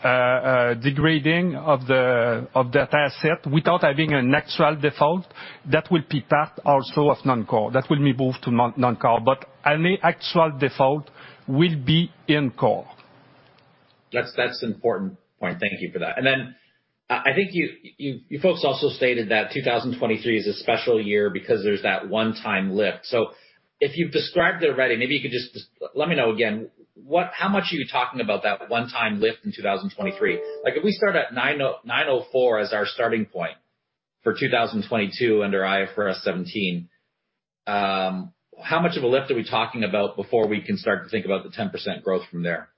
degrading of that asset without having an actual default, that will be part also of non-core. That will be moved to non-core. Any actual default will be in core. That's important point. Thank you for that. I think you folks also stated that 2023 is a special year because there's that one-time lift. If you've described it already, maybe you could just Let me know again, how much are you talking about that one-time lift in 2023? Like if we start at 904 as our starting point for 2022 under IFRS 17, how much of a lift are we talking about before we can start to think about the 10% growth from there?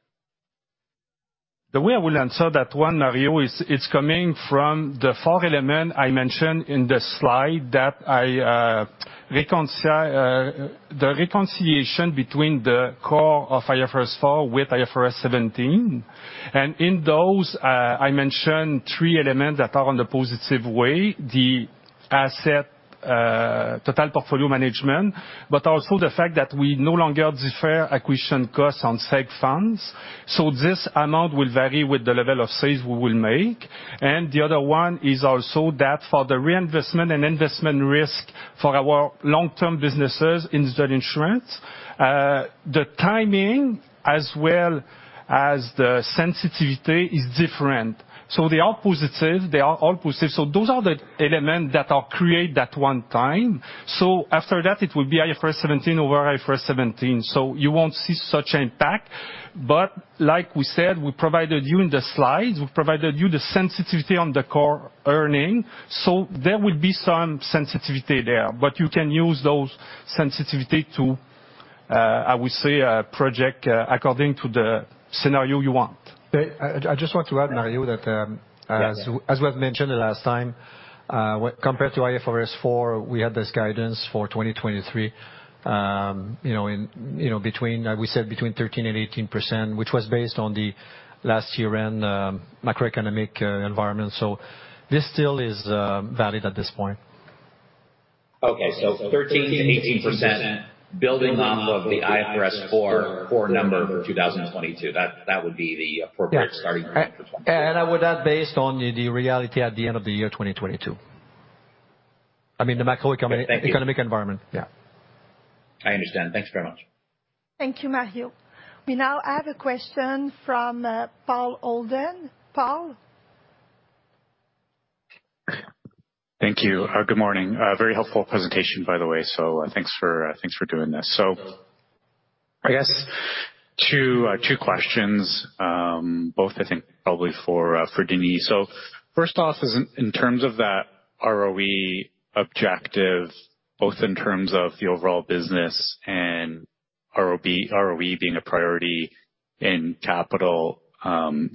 The way I will answer that one, Mario, is it's coming from the fourth element I mentioned in the slide that I the reconciliation between the core of IFRS 4 with IFRS 17. In those, I mentioned three elements that are on the positive way, the asset, Total Portfolio Management, but also the fact that we no longer defer acquisition costs on Segregated Funds. This amount will vary with the level of sales we will make. The other one is also that for the reinvestment and investment risk for our long-term businesses in general insurance, the timing as well as the sensitivity is different. They are positive, they are all positive. Those are the elements that are created at one time. After that, it will be IFRS 17 over IFRS 17, so you won't see such impact. Like we said, we provided you in the slides, we provided you the sensitivity on the core earnings. There will be some sensitivity there, but you can use those sensitivity to, I would say, project, according to the scenario you want. I just want to add, Mario, that. Yeah, yeah. As we've mentioned the last time, compared to IFRS 4, we had this guidance for 2023, you know, like we said, between 13% and 18%, which was based on the last year-end, macroeconomic environment. This still is valid at this point. 13%-18% building off of the IFRS 4 core number in 2022. That would be the appropriate starting point for 2023. I would add based on the reality at the end of the year 2022. I mean, the macroeconomic environment. Yeah. I understand. Thanks very much. Thank you, Mario. We now have a question from Paul Holden. Paul? Thank you. Good morning. A very helpful presentation, by the way, thanks for doing this. I guess two questions, both I think probably for Denis. First off is in terms of that ROE objective, both in terms of the overall business and ROE being a priority in capital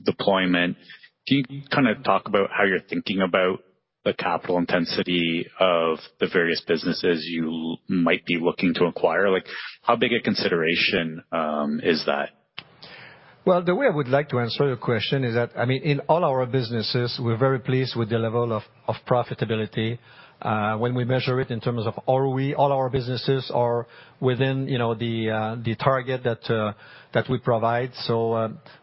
deployment, can you kinda talk about how you're thinking about the capital intensity of the various businesses you might be looking to acquire? Like, how big a consideration is that? Well, the way I would like to answer your question is that, I mean, in all our businesses, we're very pleased with the level of profitability. When we measure it in terms of ROE, all our businesses are within, you know, the target that we provide.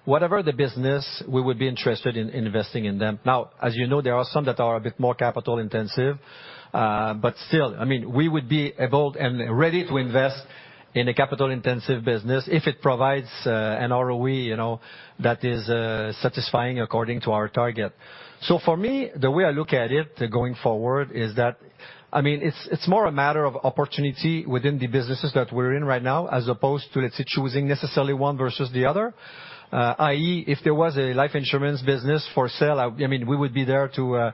Whatever the business, we would be interested in investing in them. As you know, there are some that are a bit more capital intensive, but still, I mean, we would be able and ready to invest in a capital intensive business if it provides an ROE, you know, that is satisfying according to our target. For me, the way I look at it going forward is that, I mean, it's more a matter of opportunity within the businesses that we're in right now, as opposed to, let's say, choosing necessarily one versus the other. i.e. if there was a life insurance business for sale, I mean, we would be there to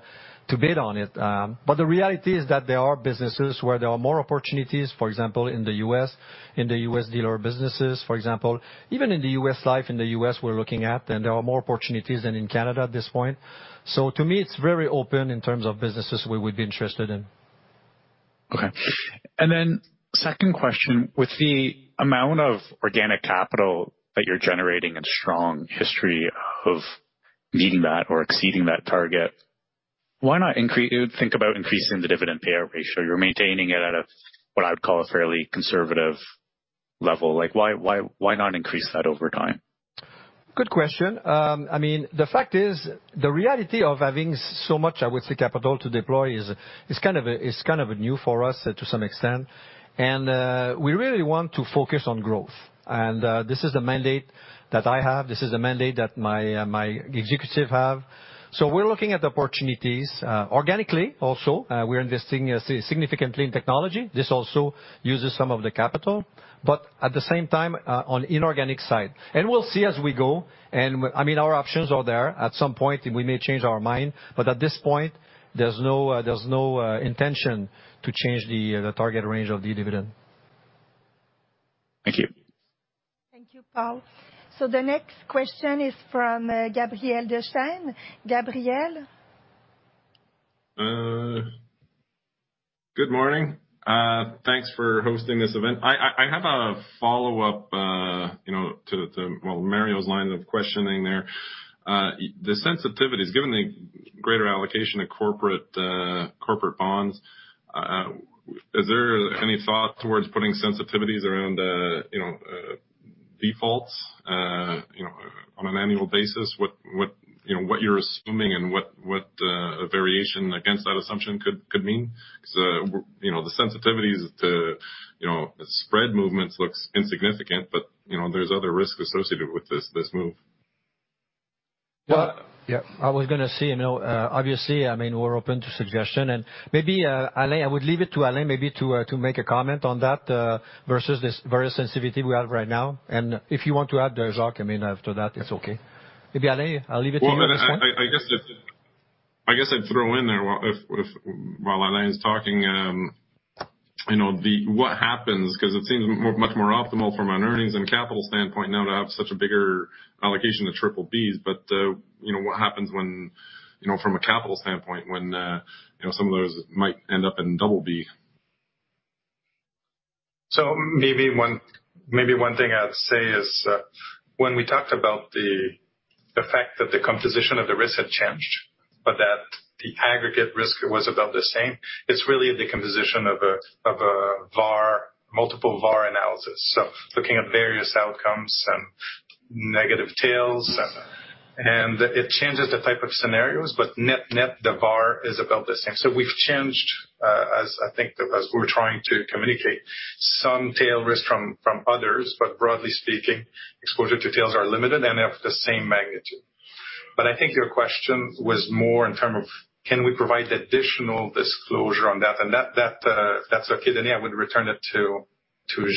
bid on it. The reality is that there are businesses where there are more opportunities, for example, in the U.S., in the U.S. dealer businesses, for example. Even in the U.S. Life, in the U.S. we're looking at, and there are more opportunities than in Canada at this point. To me, it's very open in terms of businesses we would be interested in. Okay. Second question, with the amount of organic capital that you're generating and strong history of meeting that or exceeding that target, why not think about increasing the dividend payout ratio? You're maintaining it at a, what I would call a fairly conservative level. Like why not increase that over time? Good question. I mean, the fact is the reality of having so much, I would say, capital to deploy is kind of a, is kind of new for us to some extent. We really want to focus on growth. This is a mandate that I have. This is a mandate that my executive have. We're looking at opportunities organically also. We're investing significantly in technology. This also uses some of the capital, but at the same time on inorganic side. We'll see as we go. I mean, our options are there. At some point, we may change our mind, but at this point, there's no, there's no intention to change the target range of the dividend. Thank you. Thank you, Paul. The next question is from Gabriel Dechaine. Gabriel? Good morning. Thanks for hosting this event. I have a follow-up, you know, to Well, Mario's line of questioning there. The sensitivity is giving greater allocation to corporate bonds. Is there any thought towards putting sensitivities around, you know, defaults, you know, on an annual basis what, you know, what you're assuming and what, a variation against that assumption could mean? Because, you know, the sensitivities to, you know, spread movements looks insignificant, but, you know, there's other risks associated with this move. Well. Yeah. I was gonna say, you know, obviously, I mean, we're open to suggestion and maybe, Alain, I would leave it to Alain maybe to make a comment on that versus this various sensitivity we have right now. If you want to add, Jacques, I mean, after that, it's okay. Maybe Alain, I'll leave it to you this one. Well, I guess I'd throw in there if while Alain's talking, you know, what happens 'cause it seems much more optimal from an earnings and capital standpoint now to have such a bigger allocation to tripleBs. you know, what happens when, you know, from a capital standpoint, when, you know, some of those might end up in double BB? Maybe one thing I'd say is, when we talked about the fact that the composition of the risk had changed, but that the aggregate risk was about the same. It's really a decomposition of a VAR, multiple VAR analysis. Looking at various outcomes and negative tails. It changes the type of scenarios, but net-net, the VAR is about the same. We've changed, as I think as we're trying to communicate some tail risk from others, but broadly speaking, exposure to tails are limited and they have the same magnitude. I think your question was more in term of can we provide additional disclosure on that? That, that's okay. Yeah, I would return it to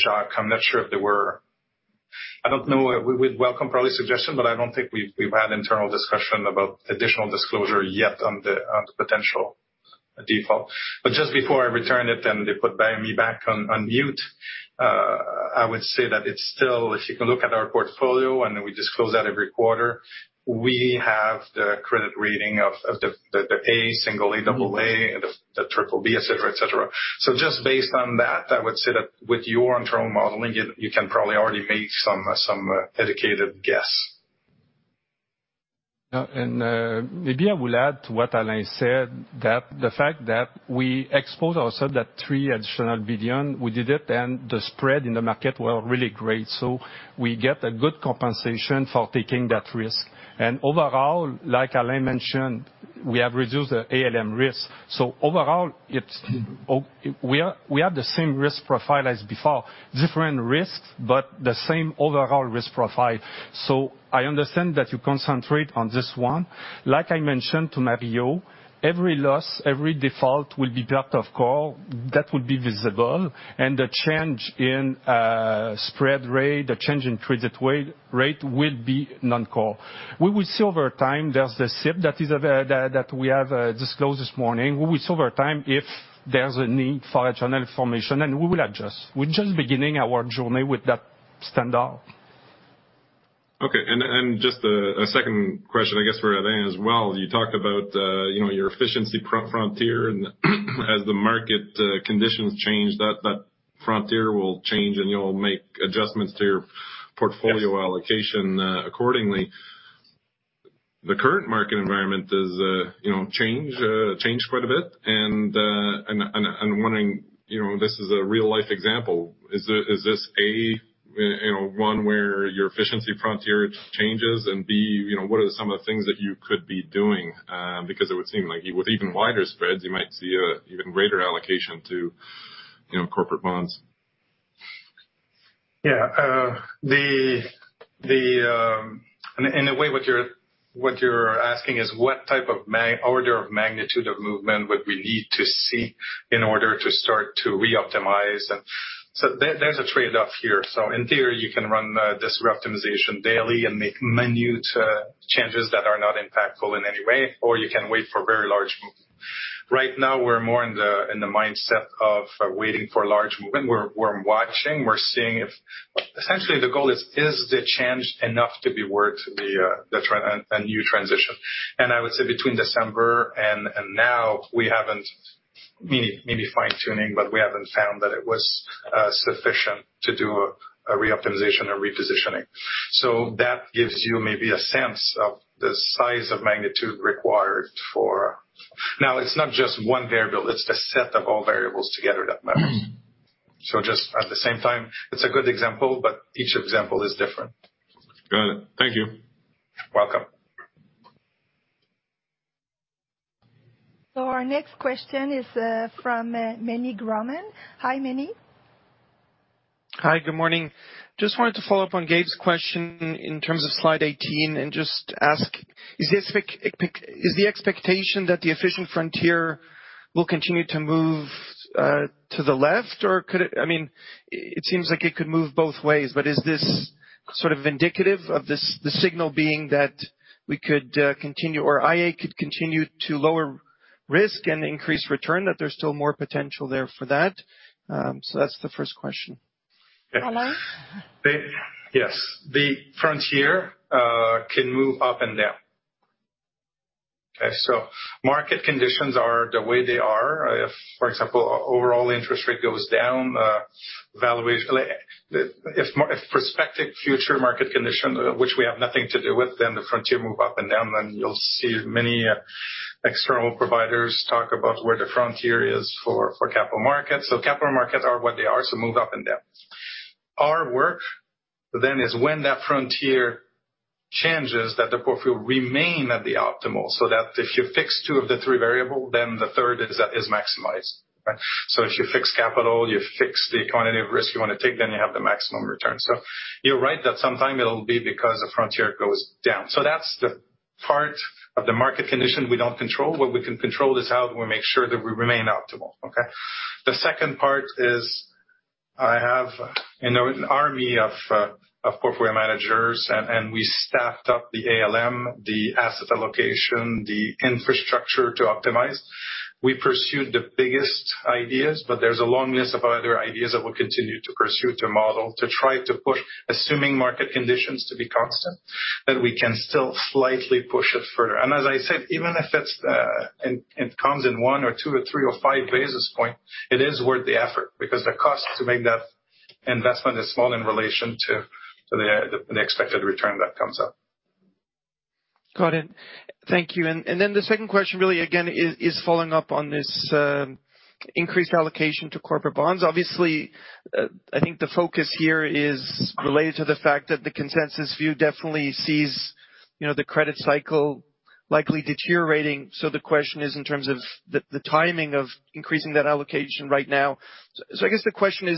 Jacques. I'm not sure if there were, I don't know. We'd welcome probably suggestion, but I don't think we've had internal discussion about additional disclosure yet on the potential default. Just before I return it and they put me back on mute, I would say that it's still, if you can look at our portfolio, and we disclose that every quarter, we have the credit rating of the single A, double A, and the triple B, et cetera, et cetera. Just based on that, I would say that with your internal modeling, you can probably already make some educated guess. Maybe I will add to what Alain said that the fact that we expose ourselves that 3 billion, we did it and the spread in the market were really great. We get a good compensation for taking that risk. Overall, like Alain mentioned, we have reduced the ALM risk. Overall, we have the same risk profile as before, different risks, but the same overall risk profile. I understand that you concentrate on this one. Like I mentioned to Mario, every loss, every default will be part of core that will be visible and the change in spread rate, the change in credit rate will be non-core. We will see over time, there's the SIP that we have disclosed this morning. We will see over time if there's a need for additional information, and we will adjust. We're just beginning our journey with that standard. Okay. Just a second question, I guess, for Alain as well. You talked about, you know, your efficiency pro-frontier and as the market conditions change, that frontier will change, and you'll make adjustments to your portfolio. Yes. Allocation, accordingly. The current market environment is, you know, changed quite a bit. I'm wondering, you know, this is a real life example. Is this A, you know, one where your efficiency frontier changes and B, you know, what are some of the things that you could be doing? Because it would seem like with even wider spreads, you might see a even greater allocation to, you know, corporate bonds. In a way, what you're, what you're asking is what type of order of magnitude of movement would we need to see in order to start to reoptimize. There's a trade-off here. In theory, you can run this optimization daily and make minute changes that are not impactful in any way, or you can wait for very large movement. Right now, we're more in the mindset of waiting for large movement. We're watching, we're seeing if, essentially, the goal is the change enough to be worth a new transition. I would say between December and now we haven't, meaning maybe fine-tuning, but we haven't found that it was sufficient to do a reoptimization or repositioning. That gives you maybe a sense of the size of magnitude required for. It's not just one variable, it's the set of all variables together that matters. Just at the same time, it's a good example, but each example is different. Got it. Thank you. Welcome. Our next question is from Meny Grauman. Hi, Meny. Hi, good morning. Just wanted to follow up on Gabe's question in terms of slide 18 and just ask, is the expectation that the efficient frontier will continue to move to the left? Or could it I mean, it seems like it could move both ways, but is this. Sort of indicative of this, the signal being that we could continue or iA could continue to lower risk and increase return, that there's still more potential there for that. That's the first question? Alain? Yes. The frontier can move up and down. Okay. Market conditions are the way they are. If, for example, overall interest rate goes down, if prospective future market condition, which we have nothing to do with, then the frontier move up and down, then you'll see many external providers talk about where the frontier is for capital markets. Capital markets are what they are, so move up and down. Our work then is when that frontier changes that the portfolio remain at the optimal, so that if you fix two of the three variable, then the third is maximized, right? If you fix capital, you fix the quantity of risk you wanna take, then you have the maximum return. You're right that sometime it'll be because the frontier goes down. That's the part of the market condition we don't control. What we can control is how do we make sure that we remain optimal. Okay? The second part is I have, you know, an army of portfolio managers, and we staffed up the ALM, the asset allocation, the infrastructure to optimize. We pursued the biggest ideas, but there's a long list of other ideas that we'll continue to pursue to model, to try to push, assuming market conditions to be constant, that we can still slightly push it further. As I said, even if it comes in one or two or three or five basis points, it is worth the effort because the cost to make that investment is small in relation to the expected return that comes up. Got it. Thank you. Then the second question really again is following up on this increased allocation to corporate bonds. Obviously, I think the focus here is related to the fact that the consensus view definitely sees, you know, the credit cycle likely deteriorating. The question is in terms of the timing of increasing that allocation right now. I guess the question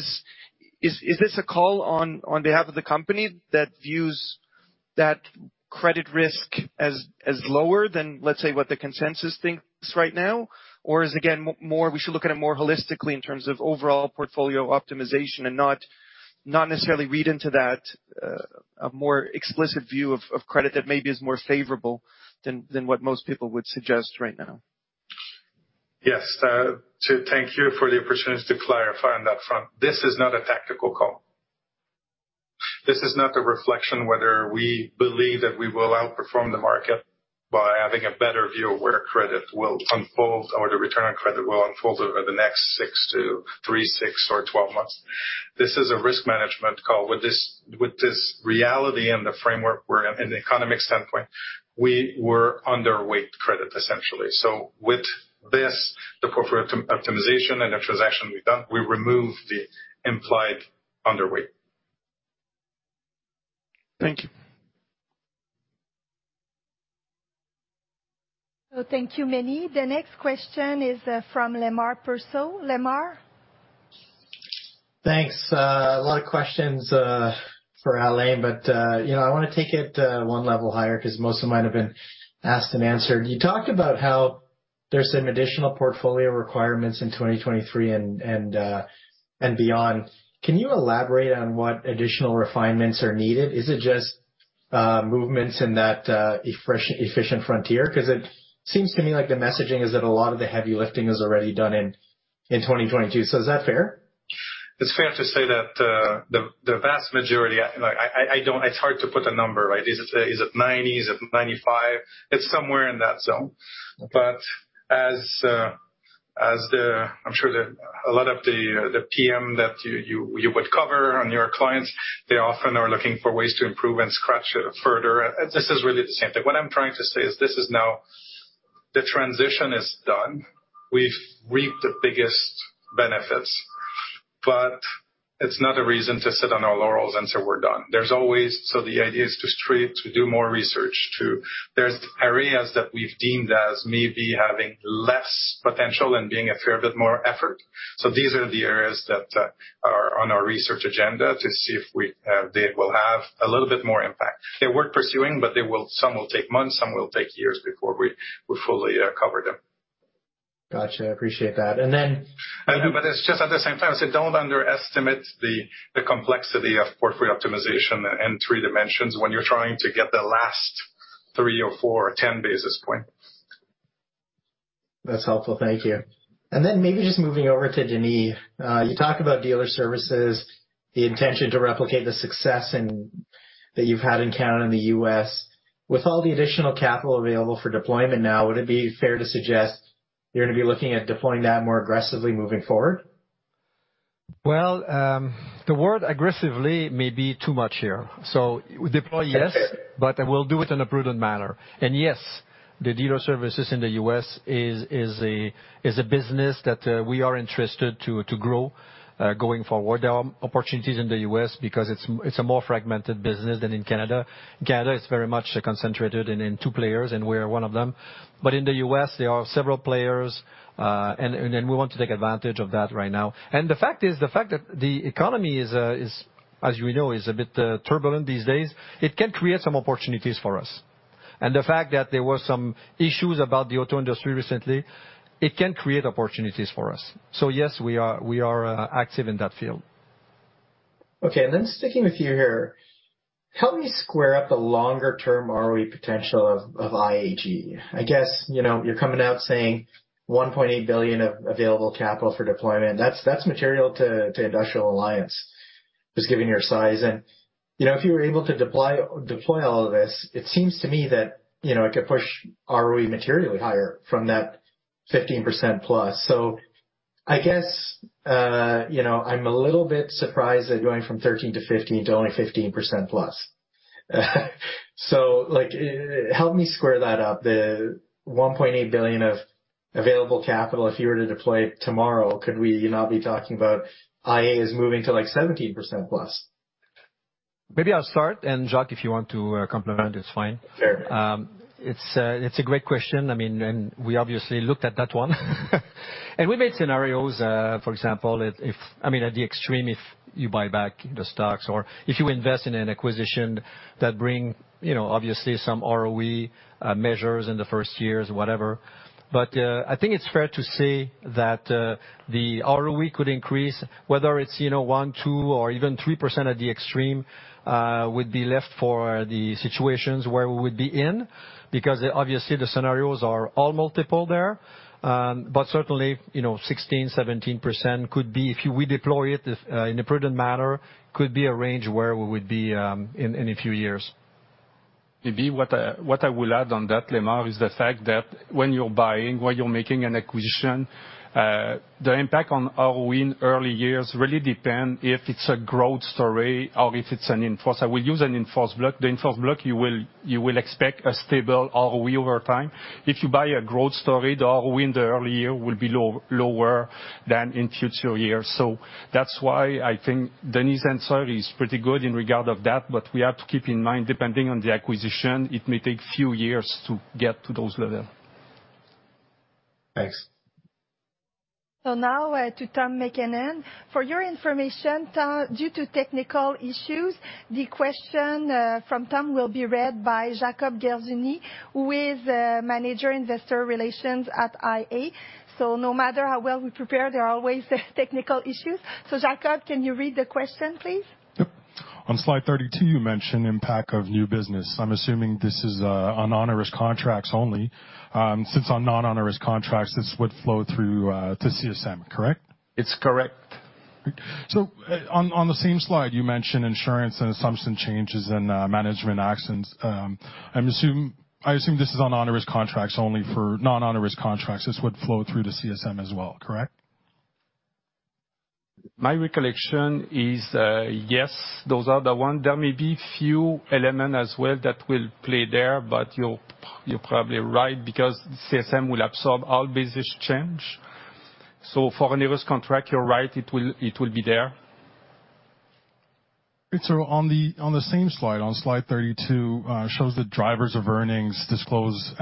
is this a call on behalf of the company that views that credit risk as lower than, let's say, what the consensus thinks right now? Is again, more, we should look at it more holistically in terms of overall portfolio optimization and not necessarily read into that a more explicit view of credit that maybe is more favorable than what most people would suggest right now. Yes. To thank you for the opportunity to clarify on that front. This is not a tactical call. This is not a reflection whether we believe that we will outperform the market by having a better view of where credit will unfold or the return on credit will unfold over the next six to three, six or 12 months. This is a risk management call. With this, with this reality and the framework we're in the economic standpoint, we were underweight credit, essentially. With this, the portfolio optimization and the transaction we've done, we removed the implied underweight. Thank you. Thank you, Meny. The next question is, from Lemar Persaud. Lemar? Thanks. A lot of questions for Alain, you know, I wanna take it one level higher because most of mine have been asked and answered. You talked about how there's some additional portfolio requirements in 2023 and beyond. Can you elaborate on what additional refinements are needed? Is it just movements in that efficient frontier? Because it seems to me like the messaging is that a lot of the heavy lifting is already done in 2022. Is that fair? It's fair to say that, the vast majority. Like, I, I don't, It's hard to put a number, right? Is it, is it 90? Is it 95? It's somewhere in that zone. As, as the, I'm sure the, a lot of the PM that you, you would cover on your clients, they often are looking for ways to improve and scratch it further. This is really the same thing. What I'm trying to say is this is now the transition is done. We've reaped the biggest benefits, but it's not a reason to sit on our laurels and say we're done. There's always, the idea is to strive to do more research, to, there's areas that we've deemed as maybe having less potential and being a fair bit more effort. These are the areas that are on our research agenda to see if we, they will have a little bit more impact. They're worth pursuing, but some will take months, some will take years before we fully cover them. Gotcha. I appreciate that. It's just at the same time, I say don't underestimate the complexity of portfolio optimization in three dimensions when you're trying to get the last three or four. Or 10 basis points. That's helpful. Thank you. Maybe just moving over to Denis. You talk about Dealer Services, the intention to replicate the success and that you've had in Canada and the US. With all the additional capital available for deployment now, would it be fair to suggest you're gonna be looking at deploying that more aggressively moving forward? Well, the word aggressively may be too much here. Deploy, yes, but we'll do it in a prudent manner. Yes, the Dealer Services in the U.S. is a business that we are interested to grow going forward. There are opportunities in the U.S. because it's a more fragmented business than in Canada. Canada is very much concentrated in two players, and we're one of them. In the U.S. there are several players, and we want to take advantage of that right now. The fact is, the fact that the economy is, as we know, a bit turbulent these days, it can create some opportunities for us. The fact that there was some issues about the auto industry recently, it can create opportunities for us. Yes, we are active in that field. Okay. Sticking with you here, help me square up the longer-term ROE potential of IAG. I guess, you know, you're coming out saying 1.8 billion of available capital for deployment. That's material to Industrial Alliance, just giving your size. You know, if you were able to deploy all of this, it seems to me that, you know, it could push ROE materially higher from that 15%+. I guess, you know, I'm a little bit surprised that going from 13 to 15 to only 15%+. Like, help me square that up, the 1.8 billion of available capital, if you were to deploy it tomorrow, could we not be talking about iA is moving to, like, 17%+? Maybe I'll start, and Jacques, if you want to, complement, it's fine. Fair. It's a great question, I mean, we obviously looked at that one. We made scenarios, for example, if, I mean, at the extreme, if you buy back the stocks or if you invest in an acquisition that bring, you know, obviously some ROE measures in the first years, whatever. I think it's fair to say that the ROE could increase, whether it's, you know, 1, 2 or even 3% at the extreme, would be left for the situations where we would be in, because obviously the scenarios are all multiple there. Certainly, you know, 16%-17% could be if we deploy it, in a prudent manner, could be a range where we would be in a few years. Maybe what I will add on that, Lemar, is the fact that when you're buying, when you're making an acquisition, the impact on ROE in early years really depend if it's a growth story or if it's an enforce. I will use an enforce block. The enforce block, you will expect a stable ROE over time. If you buy a growth story, the ROE in the early year will be lower than in future years. That's why I think Denis' answer is pretty good in regard of that. We have to keep in mind, depending on the acquisition, it may take few years to get to those level. Thanks. Now, to Tom MacKinnon. For your information, Tom, due to technical issues, the question from Tom will be read by Jacob Gershuny with Manager, Investor Relations at iA. No matter how well we prepare, there are always technical issues. Jacob, can you read the question, please? Yep. On slide 32, you mentioned impact of new business. I'm assuming this is on onerous contracts only. Since on non-onerous contracts, this would flow through to CSM, correct? It's correct. On the same slide, you mentioned insurance and assumption changes and management actions. I assume this is on onerous contracts only. For non-onerous contracts, this would flow through to CSM as well, correct? My recollection is, yes, those are the ones. There may be few elements as well that will play there, but you're probably right because CSM will absorb all business change. For an onerous contract, you're right, it will be there. On the same slide, on slide 32, shows the drivers of earnings disclosure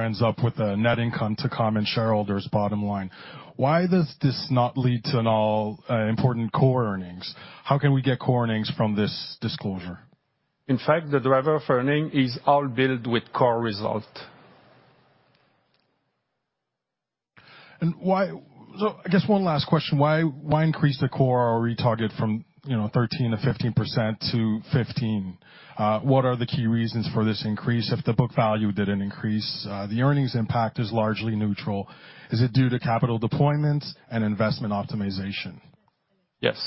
ends up with a net income to common shareholders bottom line. Why does this not lead to an all important core earnings? How can we get core earnings from this disclosure? In fact, the driver of earning is all built with core result. I guess one last question. Why increase the core ROE target from, you know, 13%-15% to 15%? What are the key reasons for this increase if the book value didn't increase? The earnings impact is largely neutral. Is it due to capital deployment and investment optimization? Yes.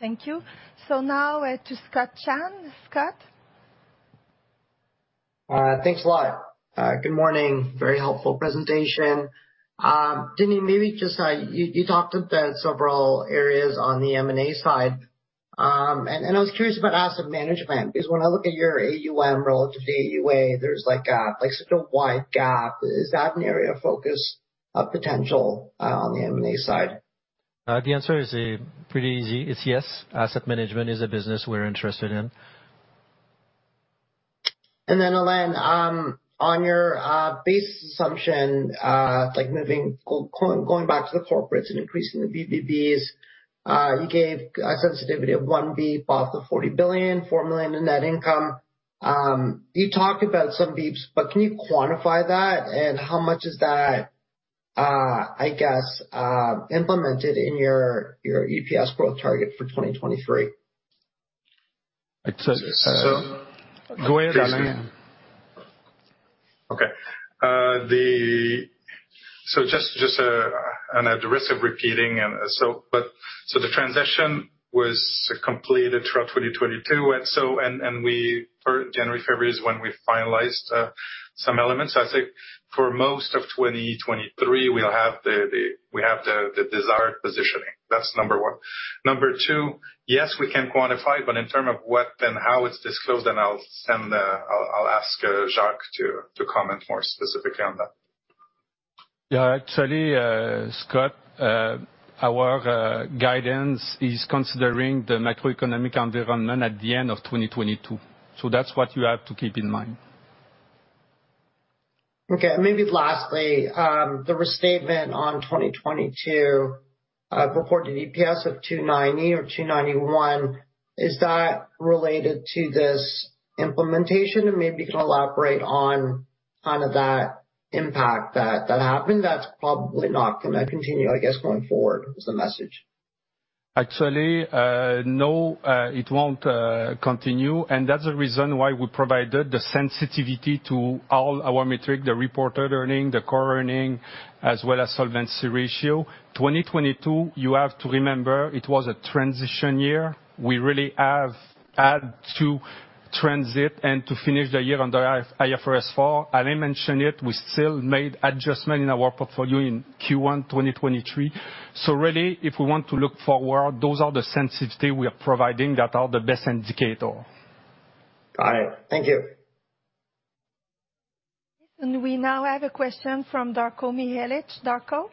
Thank you. Now, to Scott Chan. Scott? Thanks a lot. Good morning. Very helpful presentation. Denis, maybe just, you talked about several areas on the M&A side. I was curious about asset management, because when I look at your AUM relative to AUA, there's, like, such a wide gap. Is that an area of focus of potential on the M&A side? The answer is pretty easy. It's yes. Asset management is a business we're interested in. Alain, on your base assumption, like moving going back to the corporates and increasing the BBBs, you gave a sensitivity of 1 BP, bulk of 40 billion, 4 million in net income. You talked about some BPs, but can you quantify that? How much is that, I guess, implemented in your EPS growth target for 2023? It's. So. Go ahead, Alain. Okay. Just an address of repeating. The transition was completed throughout 2022. January, February is when we finalized some elements. I think for most of 2023, we'll have the desired positioning. That's number one. Number two, yes, we can quantify, but in terms of what and how it's disclosed, I'll ask Jacques to comment more specifically on that. Yeah. Actually, Scott, our guidance is considering the macroeconomic environment at the end of 2022. That's what you have to keep in mind. Okay, maybe lastly, the restatement on 2022 reported EPS of 2.90 or 2.91, is that related to this implementation? Maybe you can elaborate on kind of that impact that happened that's probably not gonna continue, I guess, going forward is the message. Actually, no, it won't continue. That's the reason why we provided the sensitivity to all our metric, the reported earning, the core earnings, as well as solvency ratio. 2022, you have to remember it was a transition year. We really have had to transit and to finish the year under IFRS 4. Alain mentioned it. We still made adjustment in our portfolio in Q1 2023. Really, if we want to look forward, those are the sensitivity we are providing that are the best indicator. All right. Thank you. We now have a question from Darko Mihelic. Darko?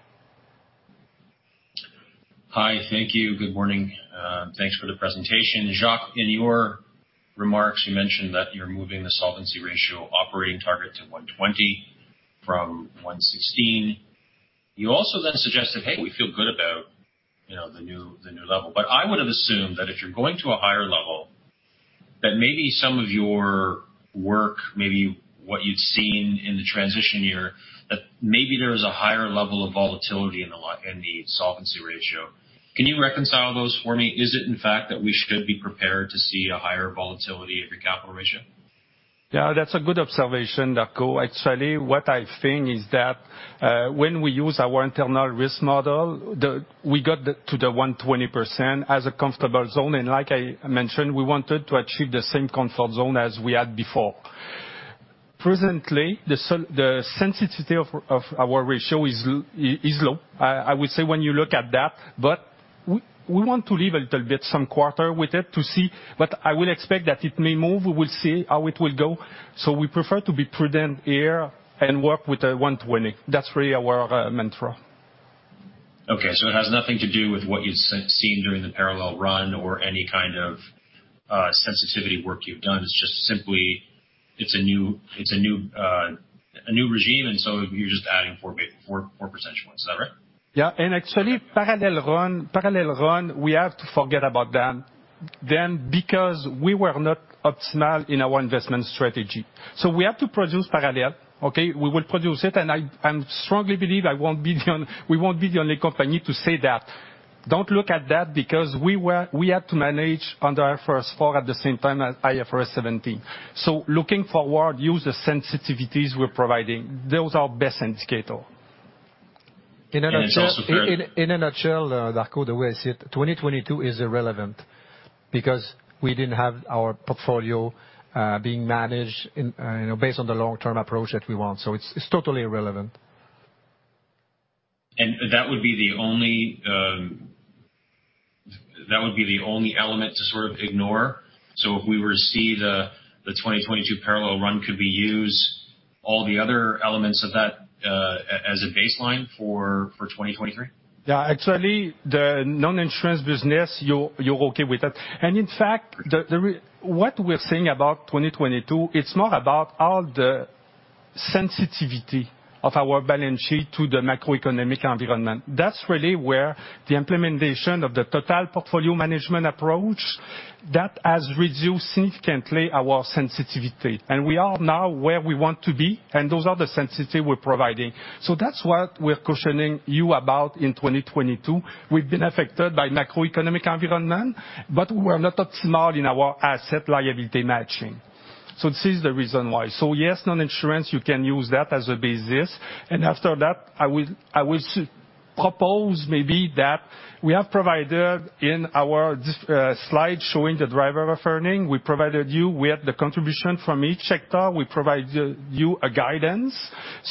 Hi. Thank you. Good morning. Thanks for the presentation. Jacques, in your remarks, you mentioned that you're moving the solvency ratio operating target to 120 from 116. You also suggested, "Hey, we feel good about, you know, the new level." I would have assumed that if you're going to a higher level, that maybe some of your work, maybe what you've seen in the transition year, that maybe there is a higher level of volatility in the solvency ratio. Can you reconcile those for me? Is it in fact that we should be prepared to see a higher volatility in recapitalization? Yeah, that's a good observation, Darko. Actually, what I think is that, when we use our internal risk model, we got to the 120% as a comfortable zone. Like I mentioned, we wanted to achieve the same comfort zone as we had before. Presently, the sensitivity of our ratio is low. I would say when you look at that. We want to leave a little bit some quarter with it to see, but I will expect that it may move. We will see how it will go. We prefer to be prudent here and work with the 120. That's really our mantra. Okay. It has nothing to do with what you've seen during the parallel run or any kind of sensitivity work you've done, it's just simply it's a new, it's a new regime, and so you're just adding four percentage points, is that right? Actually, parallel run, we have to forget about them because we were not optimal in our investment strategy. We have to produce parallel. Okay? We will produce it, I strongly believe we won't be the only company to say that. Don't look at that because we had to manage under IFRS 4 at the same time as IFRS 17. Looking forward, use the sensitivities we're providing. Those are best indicator. it's also. In a nutshell, Darko, the way I see it, 2022 is irrelevant because we didn't have our portfolio being managed in, you know, based on the long-term approach that we want. It's totally irrelevant. That would be the only, that would be the only element to sort of ignore? If we were to see the 2022 parallel run could be used, all the other elements of that, as a baseline for 2023? Yeah. Actually, the non-insurance business, you're okay with it. In fact, the what we're seeing about 2022, it's more about all the sensitivity of our balance sheet to the macroeconomic environment. That's really where the implementation of the Total Portfolio Management approach, that has reduced significantly our sensitivity. We are now where we want to be, and those are the sensitivity we're providing. That's what we're cautioning you about in 2022. We've been affected by macroeconomic environment, but we're not optimal in our asset liability matching. This is the reason why. Yes, non-insurance, you can use that as a basis. After that, I will propose maybe that we have provided in our slide showing the drivers of earnings, we provided you with the contribution from each sector, we provide you a guidance.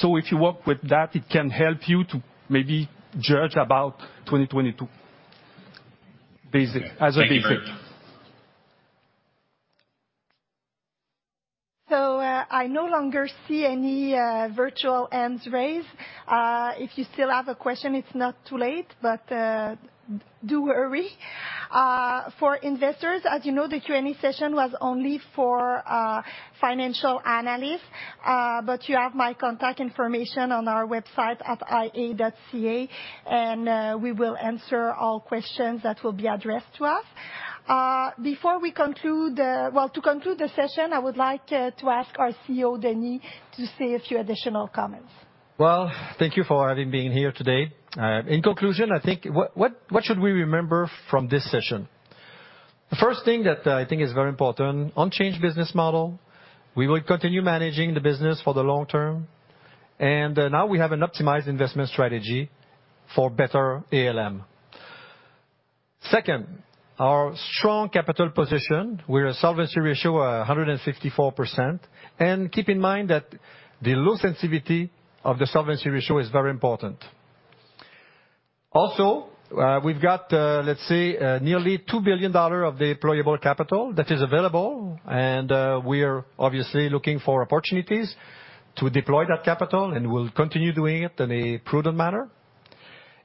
If you work with that, it can help you to maybe judge about 2022. Basic. Okay. As a basic. Thank you very much. I no longer see any virtual hands raised. If you still have a question, it's not too late, but do worry. For investors, as you know, the Q&A session was only for financial analysts, but you have my contact information on our website at ia.ca, and we will answer all questions that will be addressed to us. Before we conclude. Well, to conclude the session, I would like to ask our CEO Denis to say a few additional comments. Well, thank you for having being here today. In conclusion, I think what should we remember from this session? The first thing that I think is very important, unchanged business model. We will continue managing the business for the long term. Now we have an optimized investment strategy for better ALM. Second, our strong capital position. We're a solvency ratio, 154%. Keep in mind that the low sensitivity of the solvency ratio is very important. Also, we've got, let's say, nearly 2 billion dollars of deployable capital that is available. We are obviously looking for opportunities to deploy that capital. We'll continue doing it in a prudent manner.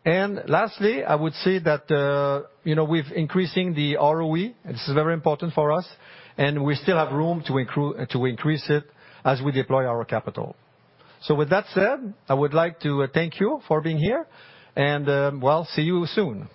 Lastly, I would say that, you know, we've increasing the ROE, this is very important for us, and we still have room to increase it as we deploy our capital. With that said, I would like to thank you for being here and, well, see you soon.